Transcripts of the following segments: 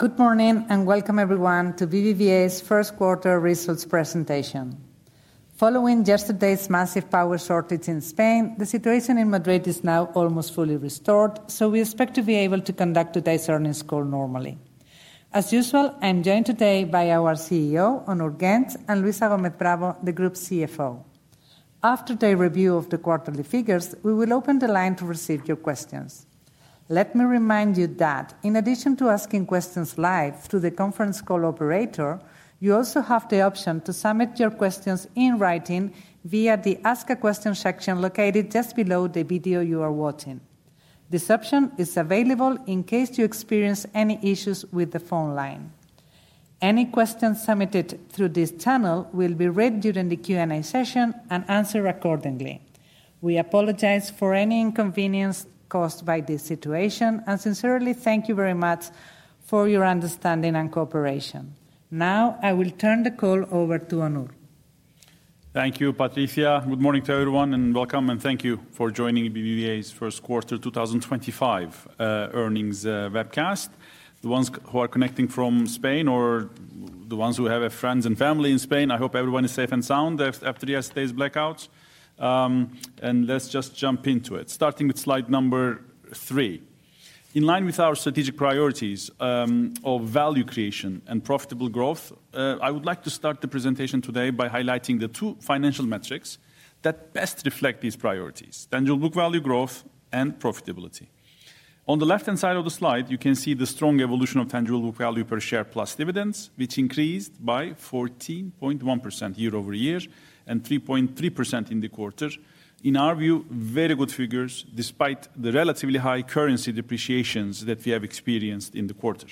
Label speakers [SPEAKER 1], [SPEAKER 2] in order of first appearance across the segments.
[SPEAKER 1] Good morning and welcome, everyone, to BBVA's Q1 Results presentation. Following yesterday's massive power shortage in Spain, the situation in Madrid is now almost fully restored, so we expect to be able to conduct today's earnings call normally. As usual, I'm joined today by our CEO, Onur Genç, and Luisa Gómez Bravo, the Group CFO. After their review of the quarterly figures, we will open the line to receive your questions. Let me remind you that, in addition to asking questions live through the conference call operator, you also have the option to submit your questions in writing via the Ask a Question section located just below the video you are watching. This option is available in case you experience any issues with the phone line. Any questions submitted through this channel will be read during the Q&A session and answered accordingly. We apologize for any inconvenience caused by this situation and sincerely thank you very much for your understanding and cooperation. Now, I will turn the call over to Onur.
[SPEAKER 2] Thank you, Patricia. Good morning to everyone, and welcome, and thank you for joining BBVA's Q1 2025 Earnings Webcast. The ones who are connecting from Spain, or the ones who have friends and family in Spain, I hope everyone is safe and sound after yesterday's blackouts. Let's just jump into it, starting with slide number three. In line with our strategic priorities of value creation and profitable growth, I would like to start the presentation today by highlighting the two financial metrics that best reflect these priorities: tangible book value growth and profitability. On the left-hand side of the slide, you can see the strong evolution of tangible book value per share plus dividends, which increased by 14.1% year over year and 3.3% in the quarter. In our view, very good figures despite the relatively high currency depreciations that we have experienced in the quarter.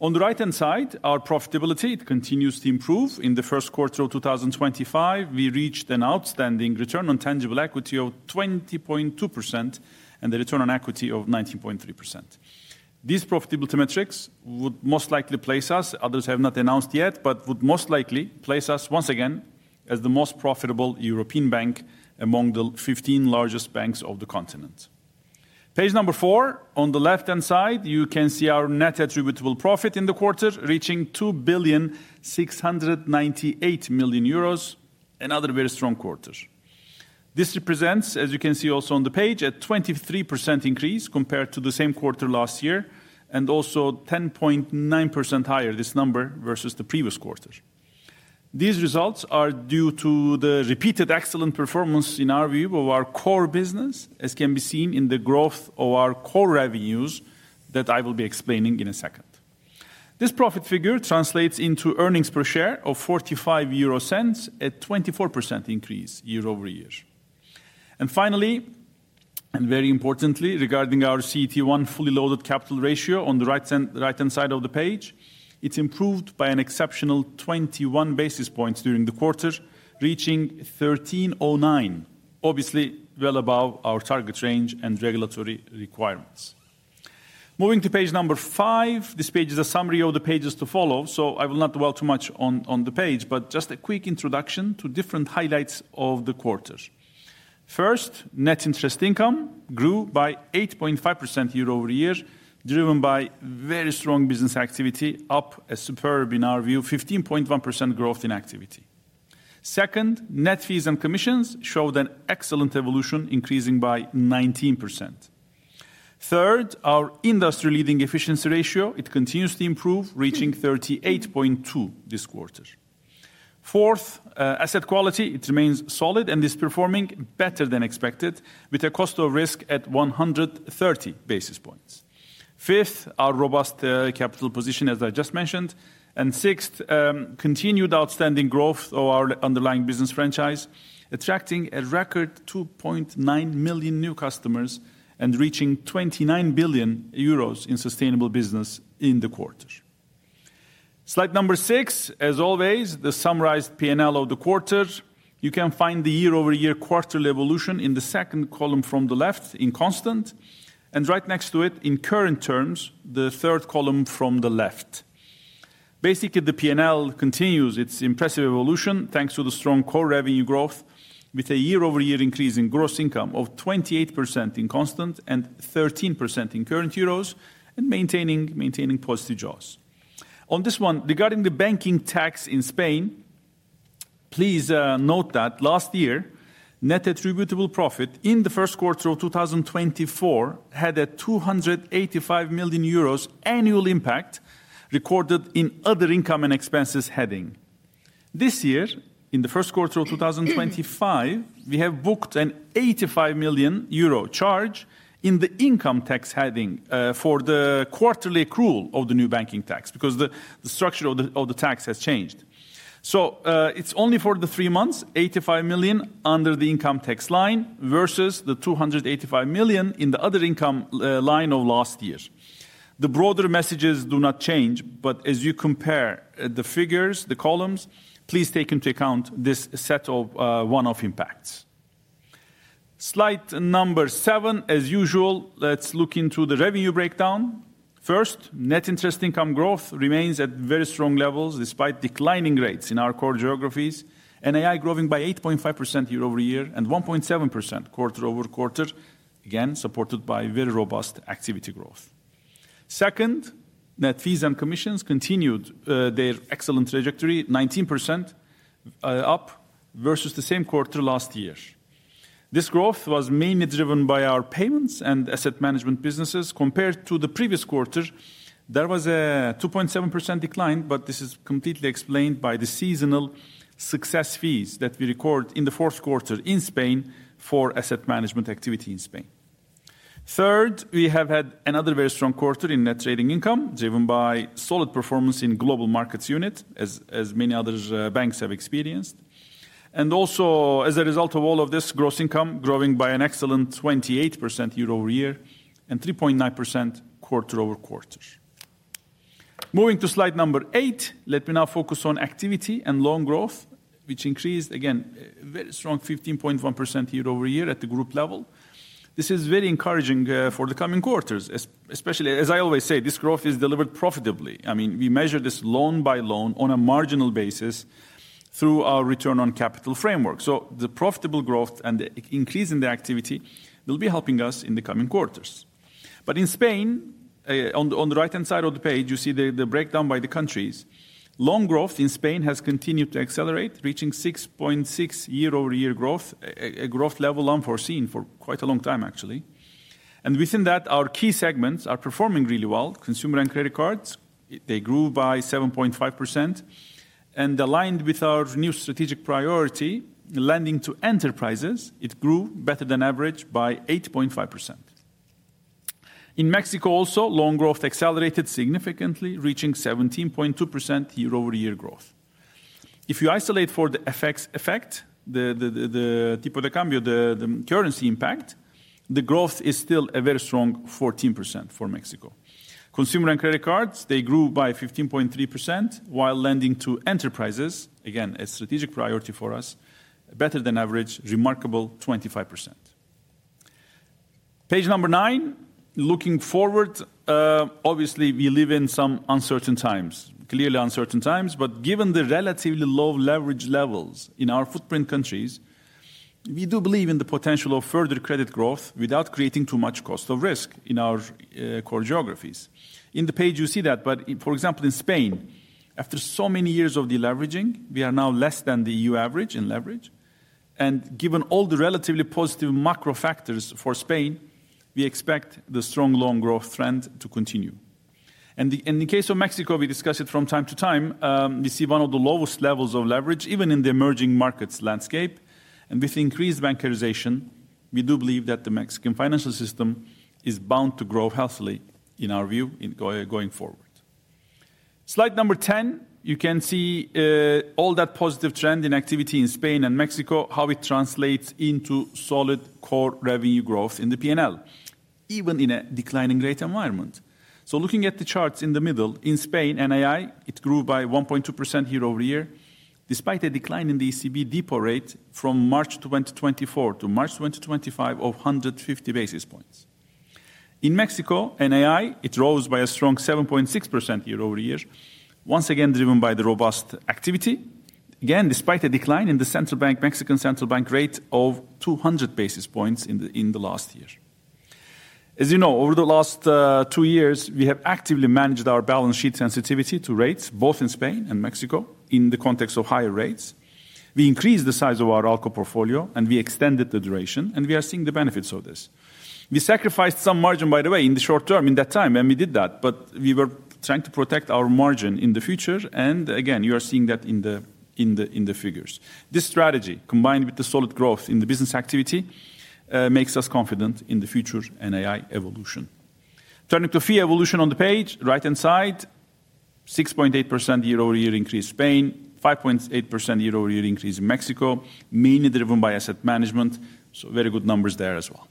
[SPEAKER 2] On the right-hand side, our profitability continues to improve. In the Q1 of 2025, we reached an outstanding return on tangible equity of 20.2% and a return on equity of 19.3%. These profitability metrics would most likely place us—others have not announced yet—but would most likely place us once again as the most profitable European bank among the 15 largest banks of the continent. Page number four, on the left-hand side, you can see our net attributable profit in the quarter reaching 2,698 million euros, another very strong quarter. This represents, as you can see also on the page, a 23% increase compared to the same quarter last year and also 10.9% higher, this number, versus the previous quarter. These results are due to the repeated excellent performance, in our view, of our core business, as can be seen in the growth of our core revenues that I will be explaining in a second. This profit figure translates into earnings per share of 45.00 euro, a 24% increase year over year. Finally, and very importantly, regarding our CET1 fully loaded capital ratio on the right-hand side of the page, it has improved by an exceptional 21 basis points during the quarter, reaching 13.09, obviously well above our target range and regulatory requirements. Moving to page number five, this page is a summary of the pages to follow, so I will not dwell too much on the page, but just a quick introduction to different highlights of the quarter. First, net interest income grew by 8.5% year over year, driven by very strong business activity, up a superb, in our view, 15.1% growth in activity. Second, net fees and commissions showed an excellent evolution, increasing by 19%. Third, our industry-leading efficiency ratio, it continues to improve, reaching 38.2% this quarter. Fourth, asset quality, it remains solid and is performing better than expected, with a cost of risk at 130 basis points. Fifth, our robust capital position, as I just mentioned. Sixth, continued outstanding growth of our underlying business franchise, attracting a record 2.9 million new customers and reaching 29 billion euros in sustainable business in the quarter. Slide number six, as always, the summarized P&L of the quarter. You can find the year-over-year quarterly evolution in the second column from the left in constant, and right next to it, in current terms, the third column from the left. Basically, the P&L continues its impressive evolution thanks to the strong core revenue growth, with a year-over-year increase in gross income of 28% in constant and 13% in current EUR, and maintaining positive jaws. On this one, regarding the banking tax in Spain, please note that last year, net attributable profit in the Q1 of 2024 had a 285 million euros annual impact recorded in other income and expenses heading. This year, in the Q1 of 2025, we have booked a 85 million euro charge in the income tax heading for the quarterly accrual of the new banking tax, because the structure of the tax has changed. It is only for the three months, 85 million under the income tax line versus the 285 million in the other income line of last year. The broader messages do not change, but as you compare the figures, the columns, please take into account this set of one-off impacts. Slide number seven, as usual, let's look into the revenue breakdown. First, net interest income growth remains at very strong levels despite declining rates in our core geographies, and NII growing by 8.5% year over year and 1.7% quarter over quarter, again, supported by very robust activity growth. Second, net fees and commissions continued their excellent trajectory, 19% up versus the same quarter last year. This growth was mainly driven by our payments and asset management businesses. Compared to the previous quarter, there was a 2.7% decline, but this is completely explained by the seasonal success fees that we record in the fourth quarter in Spain for asset management activity in Spain. Third, we have had another very strong quarter in net trading income, driven by solid performance in global markets unit, as many other banks have experienced. Also, as a result of all of this, gross income growing by an excellent 28% year over year and 3.9% quarter over quarter. Moving to slide number eight, let me now focus on activity and loan growth, which increased, again, a very strong 15.1% year over year at the group level. This is very encouraging for the coming quarters, especially, as I always say, this growth is delivered profitably. I mean, we measure this loan by loan on a marginal basis through our return on capital framework. The profitable growth and the increase in the activity will be helping us in the coming quarters. In Spain, on the right-hand side of the page, you see the breakdown by the countries. Loan growth in Spain has continued to accelerate, reaching 6.6% year over year growth, a growth level unforeseen for quite a long time, actually. Within that, our key segments are performing really well. Consumer and credit cards, they grew by 7.5%. Aligned with our new strategic priority, lending to enterprises, it grew better than average by 8.5%. In Mexico also, loan growth accelerated significantly, reaching 17.2% year over year growth. If you isolate for the effect, the tipo de cambio, the currency impact, the growth is still a very strong 14% for Mexico. Consumer and credit cards, they grew by 15.3%, while lending to enterprises, again, a strategic priority for us, better than average, remarkable 25%. Page number nine, looking forward, obviously, we live in some uncertain times, clearly uncertain times, but given the relatively low leverage levels in our footprint countries, we do believe in the potential of further credit growth without creating too much cost of risk in our core geographies. In the page, you see that, for example, in Spain, after so many years of deleveraging, we are now less than the EU average in leverage. Given all the relatively positive macro factors for Spain, we expect the strong loan growth trend to continue. In the case of Mexico, we discuss it from time to time, we see one of the lowest levels of leverage, even in the emerging markets landscape. With increased bankerization, we do believe that the Mexican financial system is bound to grow healthily, in our view, going forward. Slide number ten, you can see all that positive trend in activity in Spain and Mexico, how it translates into solid core revenue growth in the P&L, even in a declining rate environment. Looking at the charts in the middle, in Spain, NII, it grew by 1.2% year over year, despite a decline in the ECB deposit rate from March 2024 to March 2025 of 150 basis points. In Mexico, NII, it rose by a strong 7.6% year over year, once again driven by the robust activity, again, despite a decline in the central bank, Mexican central bank rate of 200 basis points in the last year. As you know, over the last two years, we have actively managed our balance sheet sensitivity to rates, both in Spain and Mexico, in the context of higher rates. We increased the size of our ALCO portfolio, and we extended the duration, and we are seeing the benefits of this. We sacrificed some margin, by the way, in the short term in that time, and we did that, but we were trying to protect our margin in the future, and again, you are seeing that in the figures. This strategy, combined with the solid growth in the business activity, makes us confident in the future NII evolution. Turning to fee evolution on the page, right-hand side, 6.8% year over year increase Spain, 5.8% year over year increase in Mexico, mainly driven by asset management, so very good numbers there as well.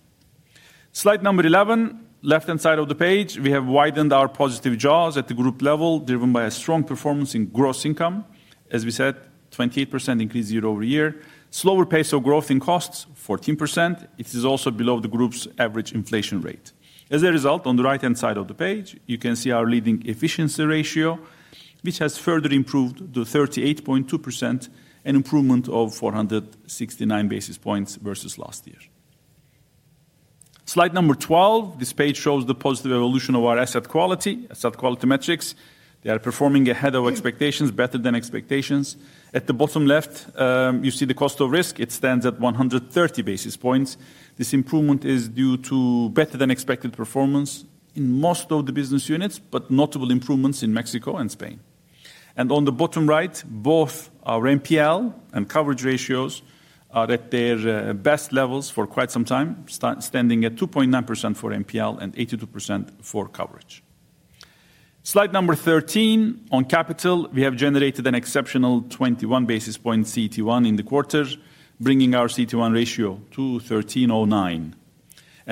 [SPEAKER 2] Slide number 11, left-hand side of the page, we have widened our positive jaws at the group level, driven by a strong performance in gross income, as we said, 28% increase year over year, slower pace of growth in costs, 14%, it is also below the group's average inflation rate. As a result, on the right-hand side of the page, you can see our leading efficiency ratio, which has further improved to 38.2%, an improvement of 469 basis points versus last year. Slide number 12, this page shows the positive evolution of our asset quality, asset quality metrics. They are performing ahead of expectations, better than expectations. At the bottom left, you see the cost of risk, it stands at 130 basis points. This improvement is due to better than expected performance in most of the business units, but notable improvements in Mexico and Spain. On the bottom right, both our NPL and coverage ratios are at their best levels for quite some time, standing at 2.9% for NPL and 82% for coverage. Slide number 13, on capital, we have generated an exceptional 21 basis points CET1 in the quarter, bringing our CET1 ratio to 13.09.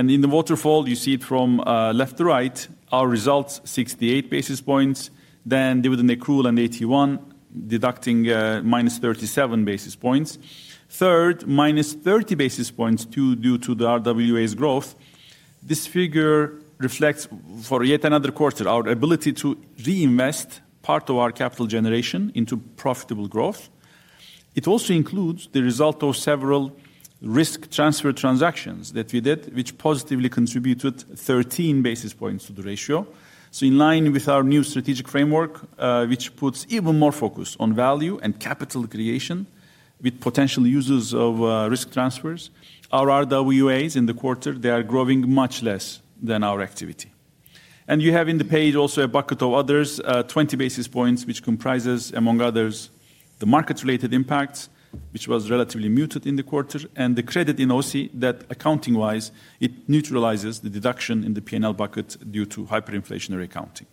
[SPEAKER 2] In the waterfall, you see it from left to right, our results 68 basis points, then dividend accrual and 81, deducting minus 37 basis points. Third, minus 30 basis points due to the RWA's growth. This figure reflects, for yet another quarter, our ability to reinvest part of our capital generation into profitable growth. It also includes the result of several risk transfer transactions that we did, which positively contributed 13 basis points to the ratio. In line with our new strategic framework, which puts even more focus on value and capital creation with potential users of risk transfers, our RWAs in the quarter, they are growing much less than our activity. You have in the page also a bucket of others, 20 basis points, which comprises, among others, the market-related impact, which was relatively muted in the quarter, and the credit in OCI that, accounting-wise, it neutralizes the deduction in the P&L bucket due to hyperinflationary accounting.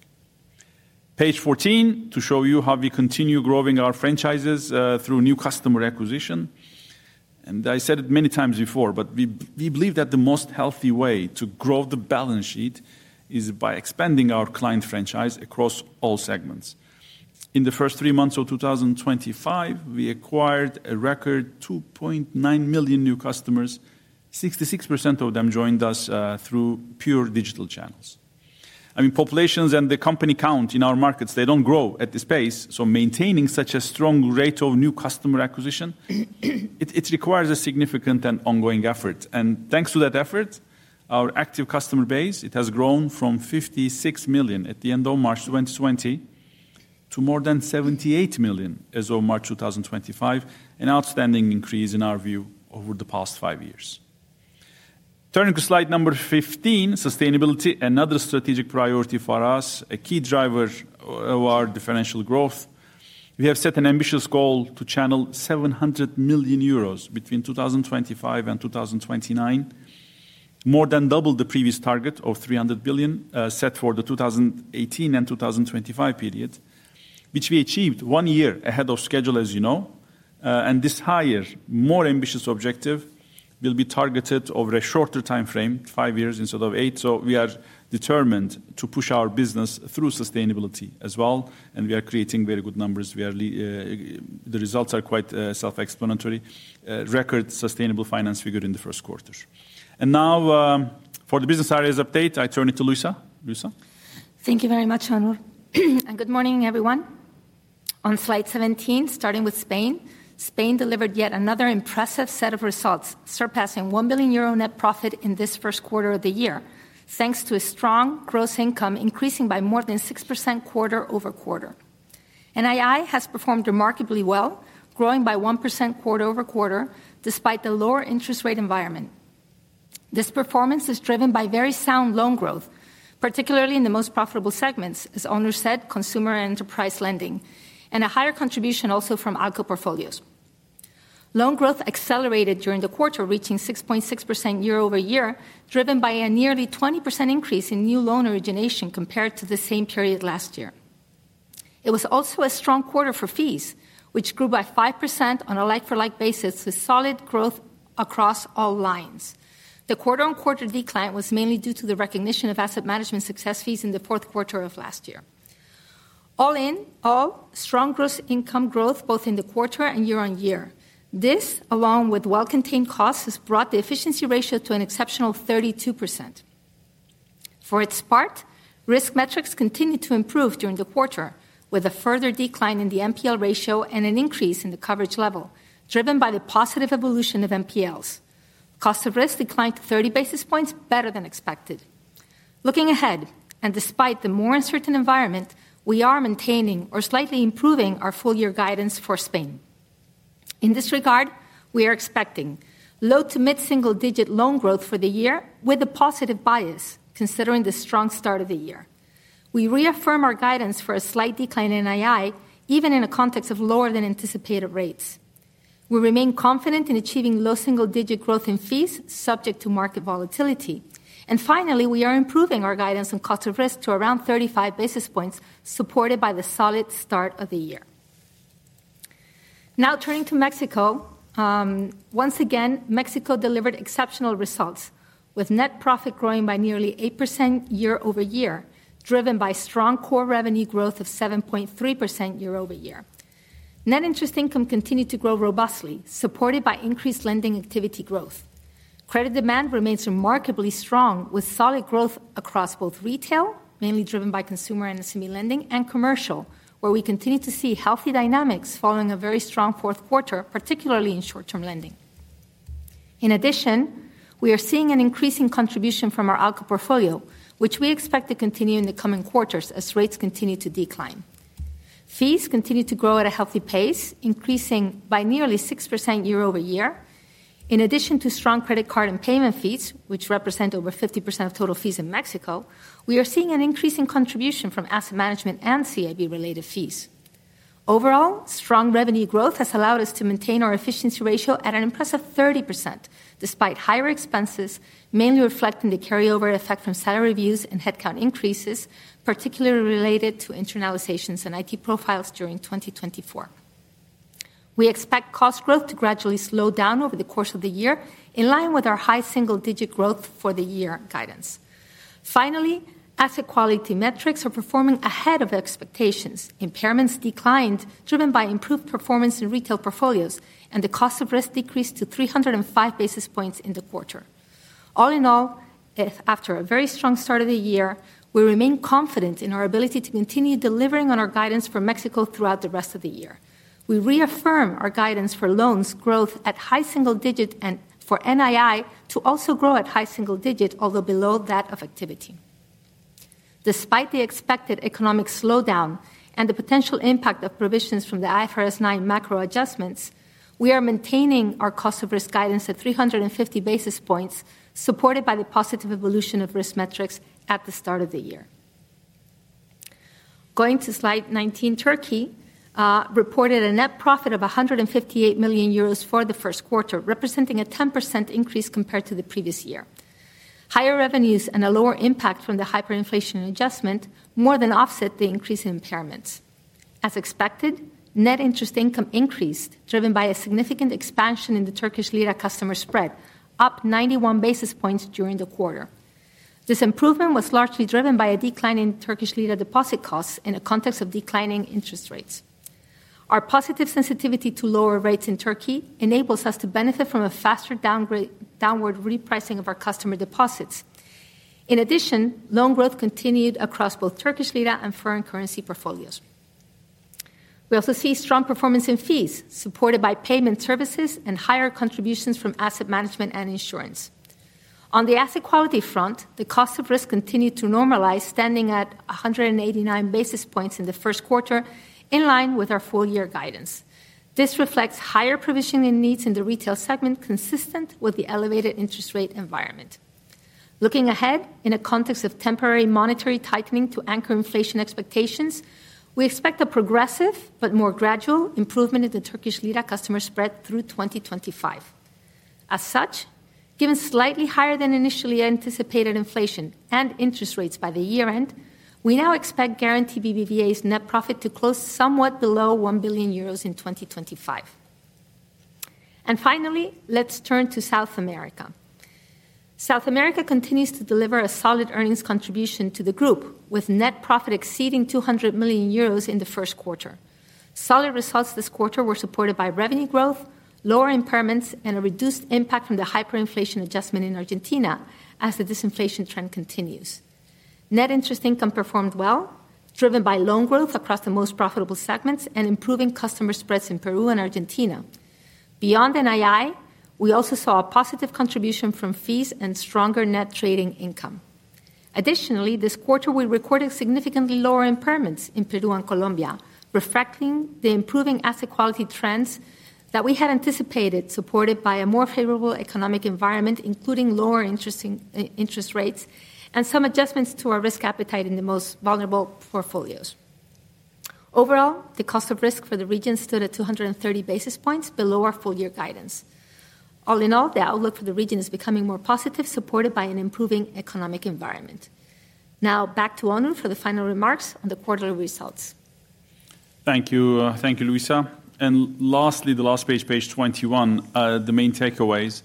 [SPEAKER 2] Page 14, to show you how we continue growing our franchises through new customer acquisition. I said it many times before, but we believe that the most healthy way to grow the balance sheet is by expanding our client franchise across all segments. In the first three months of 2025, we acquired a record 2.9 million new customers, 66% of them joined us through pure digital channels. I mean, populations and the company count in our markets, they do not grow at this pace, so maintaining such a strong rate of new customer acquisition, it requires a significant and ongoing effort. Thanks to that effort, our active customer base, it has grown from 56 million at the end of March 2020 to more than 78 million as of March 2025, an outstanding increase in our view over the past five years. Turning to slide number 15, sustainability, another strategic priority for us, a key driver of our differential growth. We have set an ambitious goal to channel 700 million euros between 2025 and 2029, more than double the previous target of 300 million set for the 2018 and 2025 period, which we achieved one year ahead of schedule, as you know. This higher, more ambitious objective will be targeted over a shorter time frame, five years instead of eight. We are determined to push our business through sustainability as well, and we are creating very good numbers. The results are quite self-explanatory, record sustainable finance figure in the Q1. Now, for the business areas update, I turn it to Luisa. Luisa.
[SPEAKER 3] Thank you very much, Onur. Good morning, everyone. On slide 17, starting with Spain, Spain delivered yet another impressive set of results, surpassing 1 billion euro net profit in this Q1 of the year, thanks to a strong gross income increasing by more than 6% quarter over quarter. NII has performed remarkably well, growing by 1% quarter over quarter, despite the lower interest rate environment. This performance is driven by very sound loan growth, particularly in the most profitable segments, as Onur said, consumer and enterprise lending, and a higher contribution also from ALCO portfolios. Loan growth accelerated during the quarter, reaching 6.6% year over year, driven by a nearly 20% increase in new loan origination compared to the same period last year. It was also a strong quarter for fees, which grew by 5% on a like-for-like basis with solid growth across all lines. The quarter-on-quarter decline was mainly due to the recognition of asset management success fees in the fourth quarter of last year. All in all, strong gross income growth both in the quarter and year on year. This, along with well-contained costs, has brought the efficiency ratio to an exceptional 32%. For its part, risk metrics continued to improve during the quarter, with a further decline in the NPL ratio and an increase in the coverage level, driven by the positive evolution of NPLs. Cost of risk declined to 30 basis points, better than expected. Looking ahead, and despite the more uncertain environment, we are maintaining or slightly improving our full-year guidance for Spain. In this regard, we are expecting low to mid-single-digit loan growth for the year, with a positive bias, considering the strong start of the year. We reaffirm our guidance for a slight decline in NII, even in a context of lower than anticipated rates. We remain confident in achieving low single-digit growth in fees, subject to market volatility. Finally, we are improving our guidance on cost of risk to around 35 basis points, supported by the solid start of the year. Now turning to Mexico, once again, Mexico delivered exceptional results, with net profit growing by nearly 8% year over year, driven by strong core revenue growth of 7.3% year over year. Net interest income continued to grow robustly, supported by increased lending activity growth. Credit demand remains remarkably strong, with solid growth across both retail, mainly driven by consumer and SME lending, and commercial, where we continue to see healthy dynamics following a very strong fourth quarter, particularly in short-term lending. In addition, we are seeing an increasing contribution from our ALCO portfolio, which we expect to continue in the coming quarters as rates continue to decline. Fees continue to grow at a healthy pace, increasing by nearly 6% year over year. In addition to strong credit card and payment fees, which represent over 50% of total fees in Mexico, we are seeing an increasing contribution from asset management and CIB-related fees. Overall, strong revenue growth has allowed us to maintain our efficiency ratio at an impressive 30%, despite higher expenses, mainly reflecting the carryover effect from salary reviews and headcount increases, particularly related to internalizations and IT profiles during 2024. We expect cost growth to gradually slow down over the course of the year, in line with our high single-digit growth for the year guidance. Finally, asset quality metrics are performing ahead of expectations. Impairments declined, driven by improved performance in retail portfolios, and the cost of risk decreased to 305 basis points in the quarter. All in all, after a very strong start of the year, we remain confident in our ability to continue delivering on our guidance for Mexico throughout the rest of the year. We reaffirm our guidance for loans growth at high single digit and for NII to also grow at high single digit, although below that of activity. Despite the expected economic slowdown and the potential impact of provisions from the IFRS 9 macro adjustments, we are maintaining our cost of risk guidance at 350 basis points, supported by the positive evolution of risk metrics at the start of the year. Going to slide 19, Turkey reported a net profit of 158 million euros for the Q1, representing a 10% increase compared to the previous year. Higher revenues and a lower impact from the hyperinflationary adjustment more than offset the increase in impairments. As expected, net interest income increased, driven by a significant expansion in the Turkish lira customer spread, up 91 basis points during the quarter. This improvement was largely driven by a decline in Turkish lira deposit costs in the context of declining interest rates. Our positive sensitivity to lower rates in Turkey enables us to benefit from a faster downward repricing of our customer deposits. In addition, loan growth continued across both Turkish lira and foreign currency portfolios. We also see strong performance in fees, supported by payment services and higher contributions from asset management and insurance. On the asset quality front, the cost of risk continued to normalize, standing at 189 basis points in the Q1, in line with our full-year guidance. This reflects higher provisioning needs in the retail segment, consistent with the elevated interest rate environment. Looking ahead in a context of temporary monetary tightening to anchor inflation expectations, we expect a progressive but more gradual improvement in the Turkish lira customer spread through 2025. As such, given slightly higher than initially anticipated inflation and interest rates by the year end, we now expect Garanti BBVA's net profit to close somewhat below 1 billion euros in 2025. Finally, let's turn to South America. South America continues to deliver a solid earnings contribution to the group, with net profit exceeding 200 million euros in the Q1. Solid results this quarter were supported by revenue growth, lower impairments, and a reduced impact from the hyperinflation adjustment in Argentina as the disinflation trend continues. Net interest income performed well, driven by loan growth across the most profitable segments and improving customer spreads in Peru and Argentina. Beyond NII, we also saw a positive contribution from fees and stronger net trading income. Additionally, this quarter we recorded significantly lower impairments in Peru and Colombia, reflecting the improving asset quality trends that we had anticipated, supported by a more favorable economic environment, including lower interest rates and some adjustments to our risk appetite in the most vulnerable portfolios. Overall, the cost of risk for the region stood at 230 basis points below our full-year guidance. All in all, the outlook for the region is becoming more positive, supported by an improving economic environment. Now back to Onur for the final remarks on the quarterly results. Thank you. Thank you, Luisa. Lastly, the last page, page 21, the main takeaways.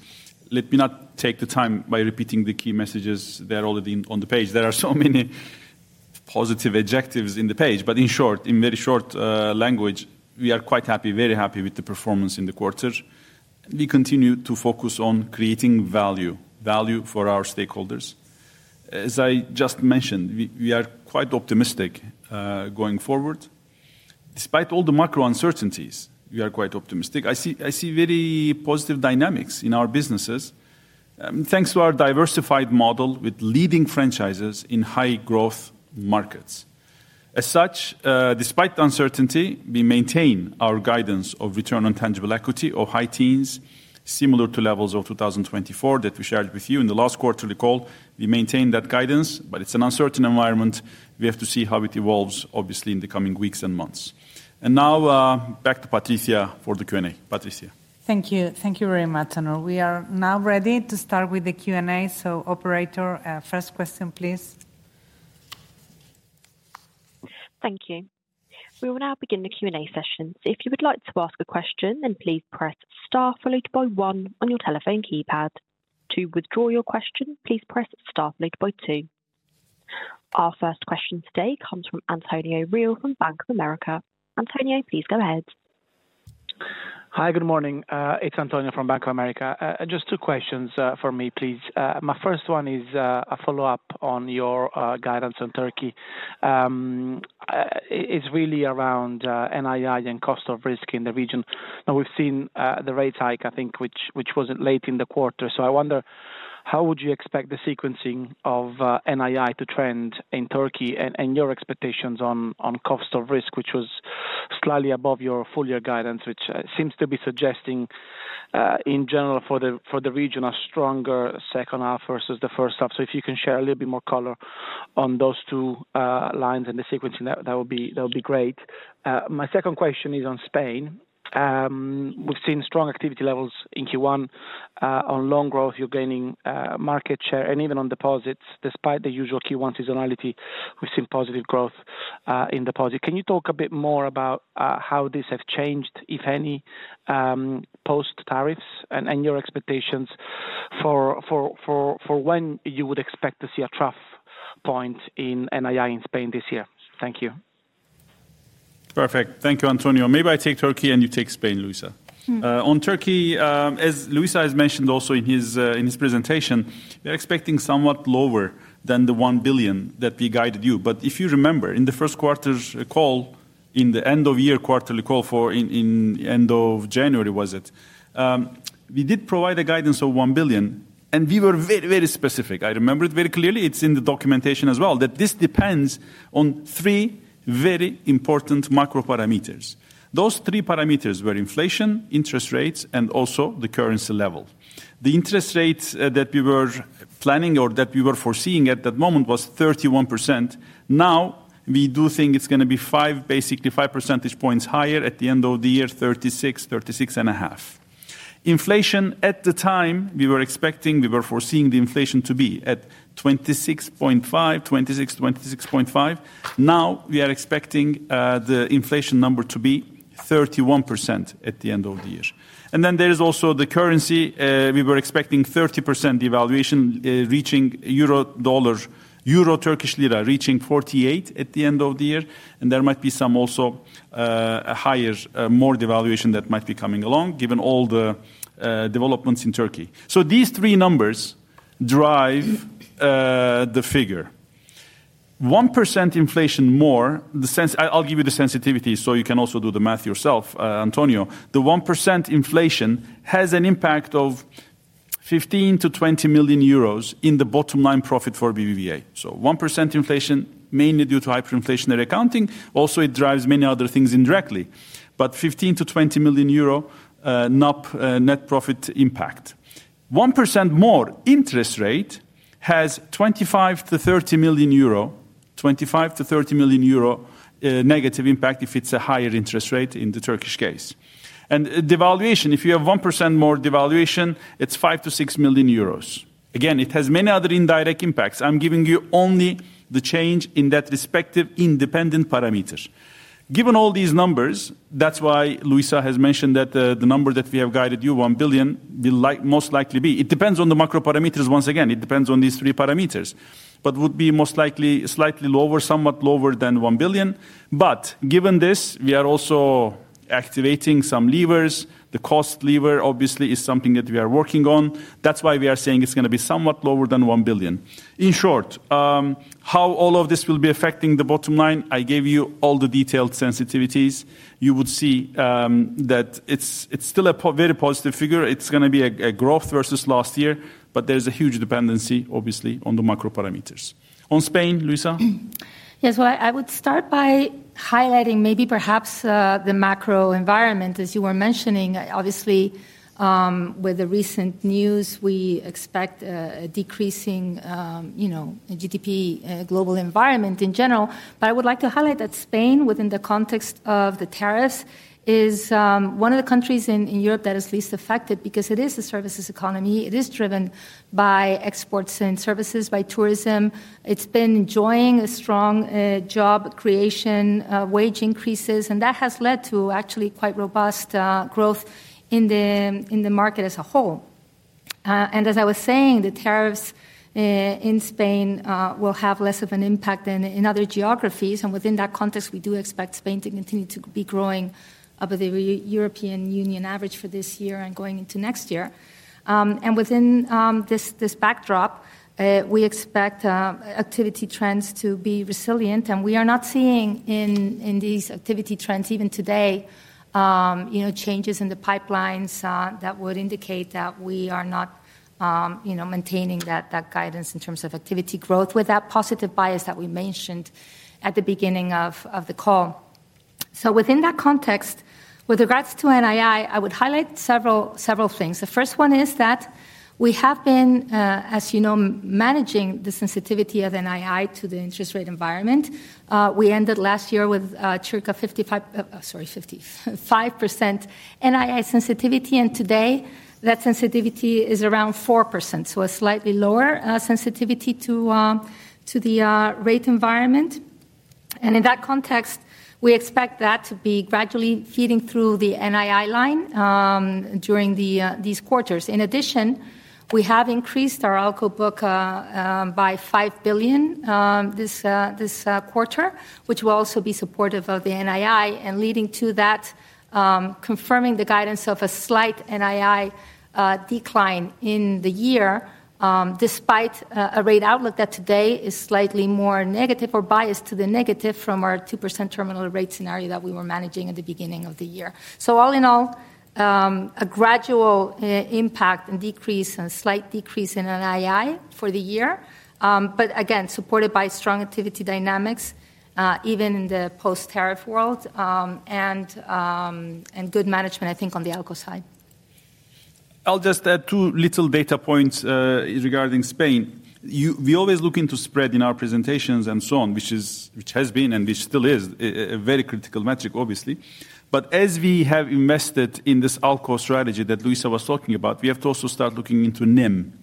[SPEAKER 3] Let me not take the time by repeating the key messages that are already on the page. There are so many positive adjectives in the page, but in short, in very short language, we are quite happy, very happy with the performance in the quarter. We continue to focus on creating value, value for our stakeholders. As I just mentioned, we are quite optimistic going forward. Despite all the macro uncertainties, we are quite optimistic. I see very positive dynamics in our businesses, thanks to our diversified model with leading franchises in high-growth markets. As such, despite the uncertainty, we maintain our guidance of return on tangible equity or high teens, similar to levels of 2024 that we shared with you in the last quarterly call. We maintain that guidance, but it's an uncertain environment. We have to see how it evolves, obviously, in the coming weeks and months. Now back to Patricia for the Q&A. Patricia.
[SPEAKER 1] Thank you. Thank you very much, Onur. We are now ready to start with the Q&A. Operator, first question, please.
[SPEAKER 4] Thank you. We will now begin the Q&A session. If you would like to ask a question, please press star followed by one on your telephone keypad. To withdraw your question, please press star followed by two. Our first question today comes from Antonio Reale from Bank of America. Antonio, please go ahead.
[SPEAKER 5] Hi, good morning. It's Antonio from Bank of America. Just two questions for me, please. My first one is a follow-up on your guidance on Turkey. It's really around NII and cost of risk in the region. Now, we've seen the rate hike, I think, which was late in the quarter. I wonder, how would you expect the sequencing of NII to trend in Turkey and your expectations on cost of risk, which was slightly above your full-year guidance, which seems to be suggesting, in general, for the region, a stronger second half versus the first half. If you can share a little bit more color on those two lines and the sequencing, that would be great. My second question is on Spain. We've seen strong activity levels in Q1. On loan growth, you're gaining market share, and even on deposits, despite the usual Q1 seasonality, we've seen positive growth in deposits. Can you talk a bit more about how these have changed, if any, post-tariffs and your expectations for when you would expect to see a trough point in NII in Spain this year? Thank you.
[SPEAKER 2] Perfect. Thank you, Antonio. Maybe I take Turkey and you take Spain, Luisa. On Turkey, as Luisa has mentioned also in his presentation, we're expecting somewhat lower than the 1 billion that we guided you. If you remember, in the Q1's call, in the end-of-year quarterly call for in end of January, was it? We did provide a guidance of 1 billion, and we were very, very specific. I remember it very clearly. It's in the documentation as well that this depends on three very important macro parameters. Those three parameters were inflation, interest rates, and also the currency level. The interest rate that we were planning or that we were foreseeing at that moment was 31%. Now, we do think it's going to be basically five percentage points higher at the end of the year, 36-36.5%. Inflation, at the time, we were expecting, we were foreseeing the inflation to be at 26.5, 26, 26.5. Now, we are expecting the inflation number to be 31% at the end of the year. There is also the currency. We were expecting 30% devaluation reaching euro dollar, euro Turkish lira reaching 48 at the end of the year. There might be some also a higher, more devaluation that might be coming along, given all the developments in Turkey. These three numbers drive the figure. 1% inflation more, I'll give you the sensitivity so you can also do the math yourself, Antonio. The 1% inflation has an impact of 15 to 20 million euros in the bottom-line profit for BBVA. 1% inflation, mainly due to hyperinflationary accounting. Also, it drives many other things indirectly, but EUR to 20 million euro net profit impact. 1% more interest rate has 25 to30 million, 25 to 30 million negative impact if it's a higher interest rate in the Turkish case. Devaluation, if you have 1% more devaluation, it's 5 to 6 million. Again, it has many other indirect impacts. I'm giving you only the change in that respective independent parameters. Given all these numbers, that's why Luisa has mentioned that the number that we have guided you, 1 billion, will most likely be. It depends on the macro parameters. Once again, it depends on these three parameters, but would be most likely slightly lower, somewhat lower than 1 billion. Given this, we are also activating some levers. The cost lever, obviously, is something that we are working on. That's why we are saying it's going to be somewhat lower than 1 billion. In short, how all of this will be affecting the bottom line, I gave you all the detailed sensitivities. You would see that it's still a very positive figure. It's going to be a growth versus last year, but there's a huge dependency, obviously, on the macro parameters. On Spain, Luisa.
[SPEAKER 3] Yes, I would start by highlighting maybe perhaps the macro environment, as you were mentioning. Obviously, with the recent news, we expect a decreasing GDP global environment in general. I would like to highlight that Spain, within the context of the tariffs, is one of the countries in Europe that is least affected because it is a services economy. It is driven by exports and services, by tourism. It's been enjoying a strong job creation, wage increases, and that has led to actually quite robust growth in the market as a whole. As I was saying, the tariffs in Spain will have less of an impact than in other geographies. Within that context, we do expect Spain to continue to be growing above the European Union average for this year and going into next year. Within this backdrop, we expect activity trends to be resilient. We are not seeing in these activity trends, even today, changes in the pipelines that would indicate that we are not maintaining that guidance in terms of activity growth with that positive bias that we mentioned at the beginning of the call. Within that context, with regards to NII, I would highlight several things. The first one is that we have been, as you know, managing the sensitivity of NII to the interest rate environment. We ended last year with circa 55, sorry, 55% NII sensitivity. Today, that sensitivity is around 4%, so a slightly lower sensitivity to the rate environment. In that context, we expect that to be gradually feeding through the NII line during these quarters. In addition, we have increased our ALCO book by 5 billion this quarter, which will also be supportive of the NII and leading to that confirming the guidance of a slight NII decline in the year, despite a rate outlook that today is slightly more negative or biased to the negative from our 2% terminal rate scenario that we were managing at the beginning of the year. All in all, a gradual impact and decrease and slight decrease in NII for the year, but again, supported by strong activity dynamics, even in the post-tariff world and good management, I think, on the ALCO side. I'll just add two little data points regarding Spain.
[SPEAKER 2] We always look into spread in our presentations and so on, which has been and which still is a very critical metric, obviously. As we have invested in this ALCO strategy that Luisa was talking about, we have to also start looking into NIM.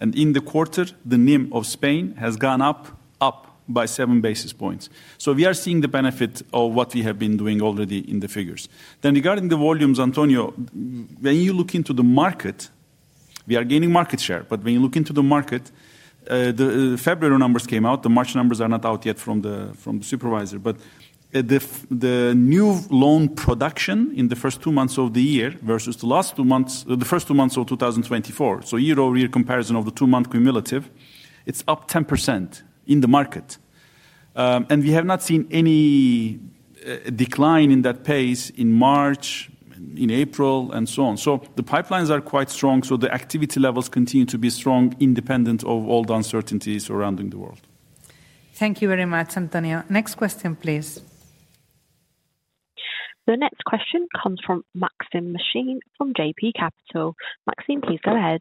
[SPEAKER 2] In the quarter, the NIM of Spain has gone up, up by seven basis points. We are seeing the benefit of what we have been doing already in the figures. Regarding the volumes, Antonio, when you look into the market, we are gaining market share. When you look into the market, the February numbers came out. The March numbers are not out yet from the supervisor. But the new loan production in the first two months of the year versus the last two months, the first two months of 2024, so year-over-year comparison of the two-month cumulative, it's up 10% in the market. We have not seen any decline in that pace in March, in April, and so on. The pipelines are quite strong. The activity levels continue to be strong, independent of all the uncertainties surrounding the world.
[SPEAKER 1] Thank you very much, Antonio. Next question, please.
[SPEAKER 4] The next question comes from Maksym Mishyn from JB Capital. Maksym, please go ahead.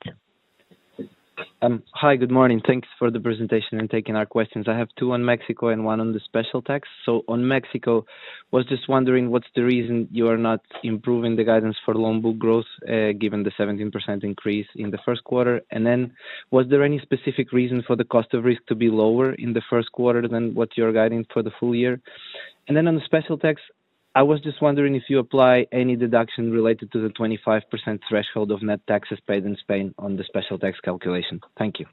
[SPEAKER 6] Hi, good morning. Thanks for the presentation and taking our questions. I have two on Mexico and one on the special tax. On Mexico, I was just wondering what's the reason you are not improving the guidance for loan book growth, given the 17% increase in the Q1. Was there any specific reason for the cost of risk to be lower in the Q1 than what you're guiding for the full year? On the special tax, I was just wondering if you apply any deduction related to the 25% threshold of net taxes paid in Spain on the special tax calculation. Thank you.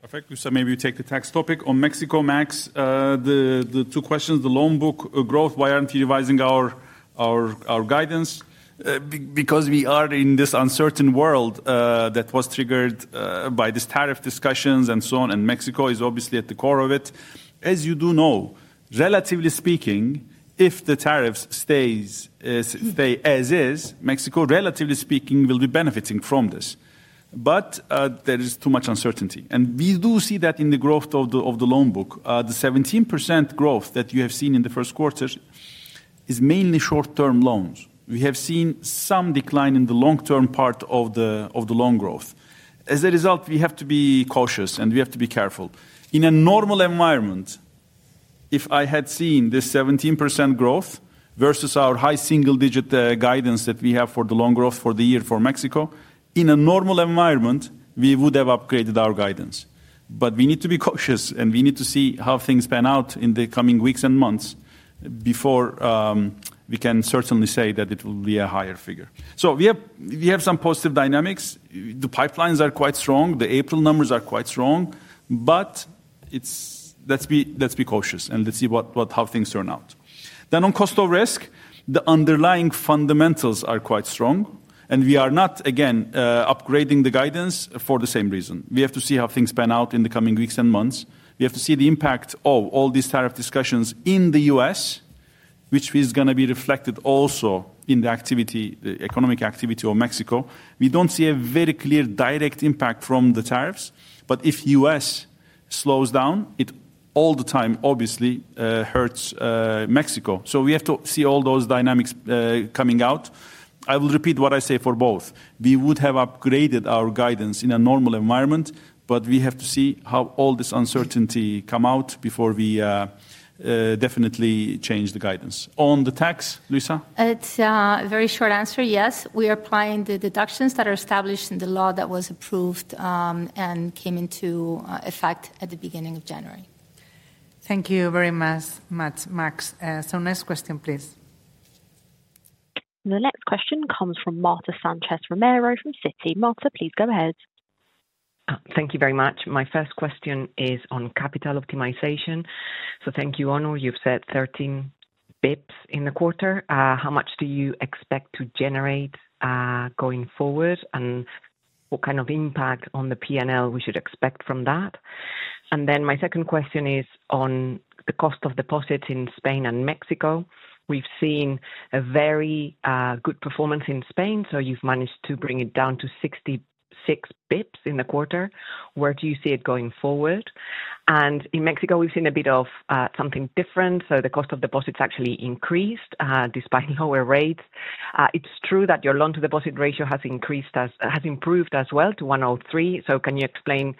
[SPEAKER 2] Perfect. Maybe you take the tax topic on Mexico. Max, the two questions, the loan book growth, why aren't you revising our guidance? We are in this uncertain world that was triggered by these tariff discussions and so on, and Mexico is obviously at the core of it. As you do know, relatively speaking, if the tariffs stay as is, Mexico, relatively speaking, will be benefiting from this. There is too much uncertainty. We do see that in the growth of the loan book. The 17% growth that you have seen in the Q1 is mainly short-term loans. We have seen some decline in the long-term part of the loan growth. As a result, we have to be cautious and we have to be careful. In a normal environment, if I had seen this 17% growth versus our high single-digit guidance that we have for the loan growth for the year for Mexico, in a normal environment, we would have upgraded our guidance. We need to be cautious, and we need to see how things pan out in the coming weeks and months before we can certainly say that it will be a higher figure. We have some positive dynamics. The pipelines are quite strong. The April numbers are quite strong. Let's be cautious and let's see how things turn out. On cost of risk, the underlying fundamentals are quite strong. We are not, again, upgrading the guidance for the same reason. We have to see how things pan out in the coming weeks and months. We have to see the impact of all these tariff discussions in the U.S., which is going to be reflected also in the economic activity of Mexico. We do not see a very clear direct impact from the tariffs. If the U.S. slows down, it all the time, obviously, hurts Mexico. We have to see all those dynamics coming out. I will repeat what I say for both. We would have upgraded our guidance in a normal environment, but we have to see how all this uncertainty comes out before we definitely change the guidance. On the tax, Luisa.
[SPEAKER 3] It is a very short answer. Yes, we are applying the deductions that are established in the law that was approved and came into effect at the beginning of January.
[SPEAKER 1] Thank you very much, Max. Next question, please.
[SPEAKER 4] The next question comes from Marta Sanchez Romero from Citi. Marta, please go ahead.
[SPEAKER 7] Thank you very much. My first question is on capital optimization. Thank you, Onur. You have said 13 basis points in the quarter. How much do you expect to generate going forward, and what kind of impact on the P&L should we expect from that? My second question is on the cost of deposits in Spain and Mexico. We have seen a very good performance in Spain, so you have managed to bring it down to 66 basis points in the quarter. Where do you see it going forward? In Mexico, we have seen a bit of something different. The cost of deposits actually increased despite lower rates. It's true that your loan-to-deposit ratio has improved as well to 103. Can you explain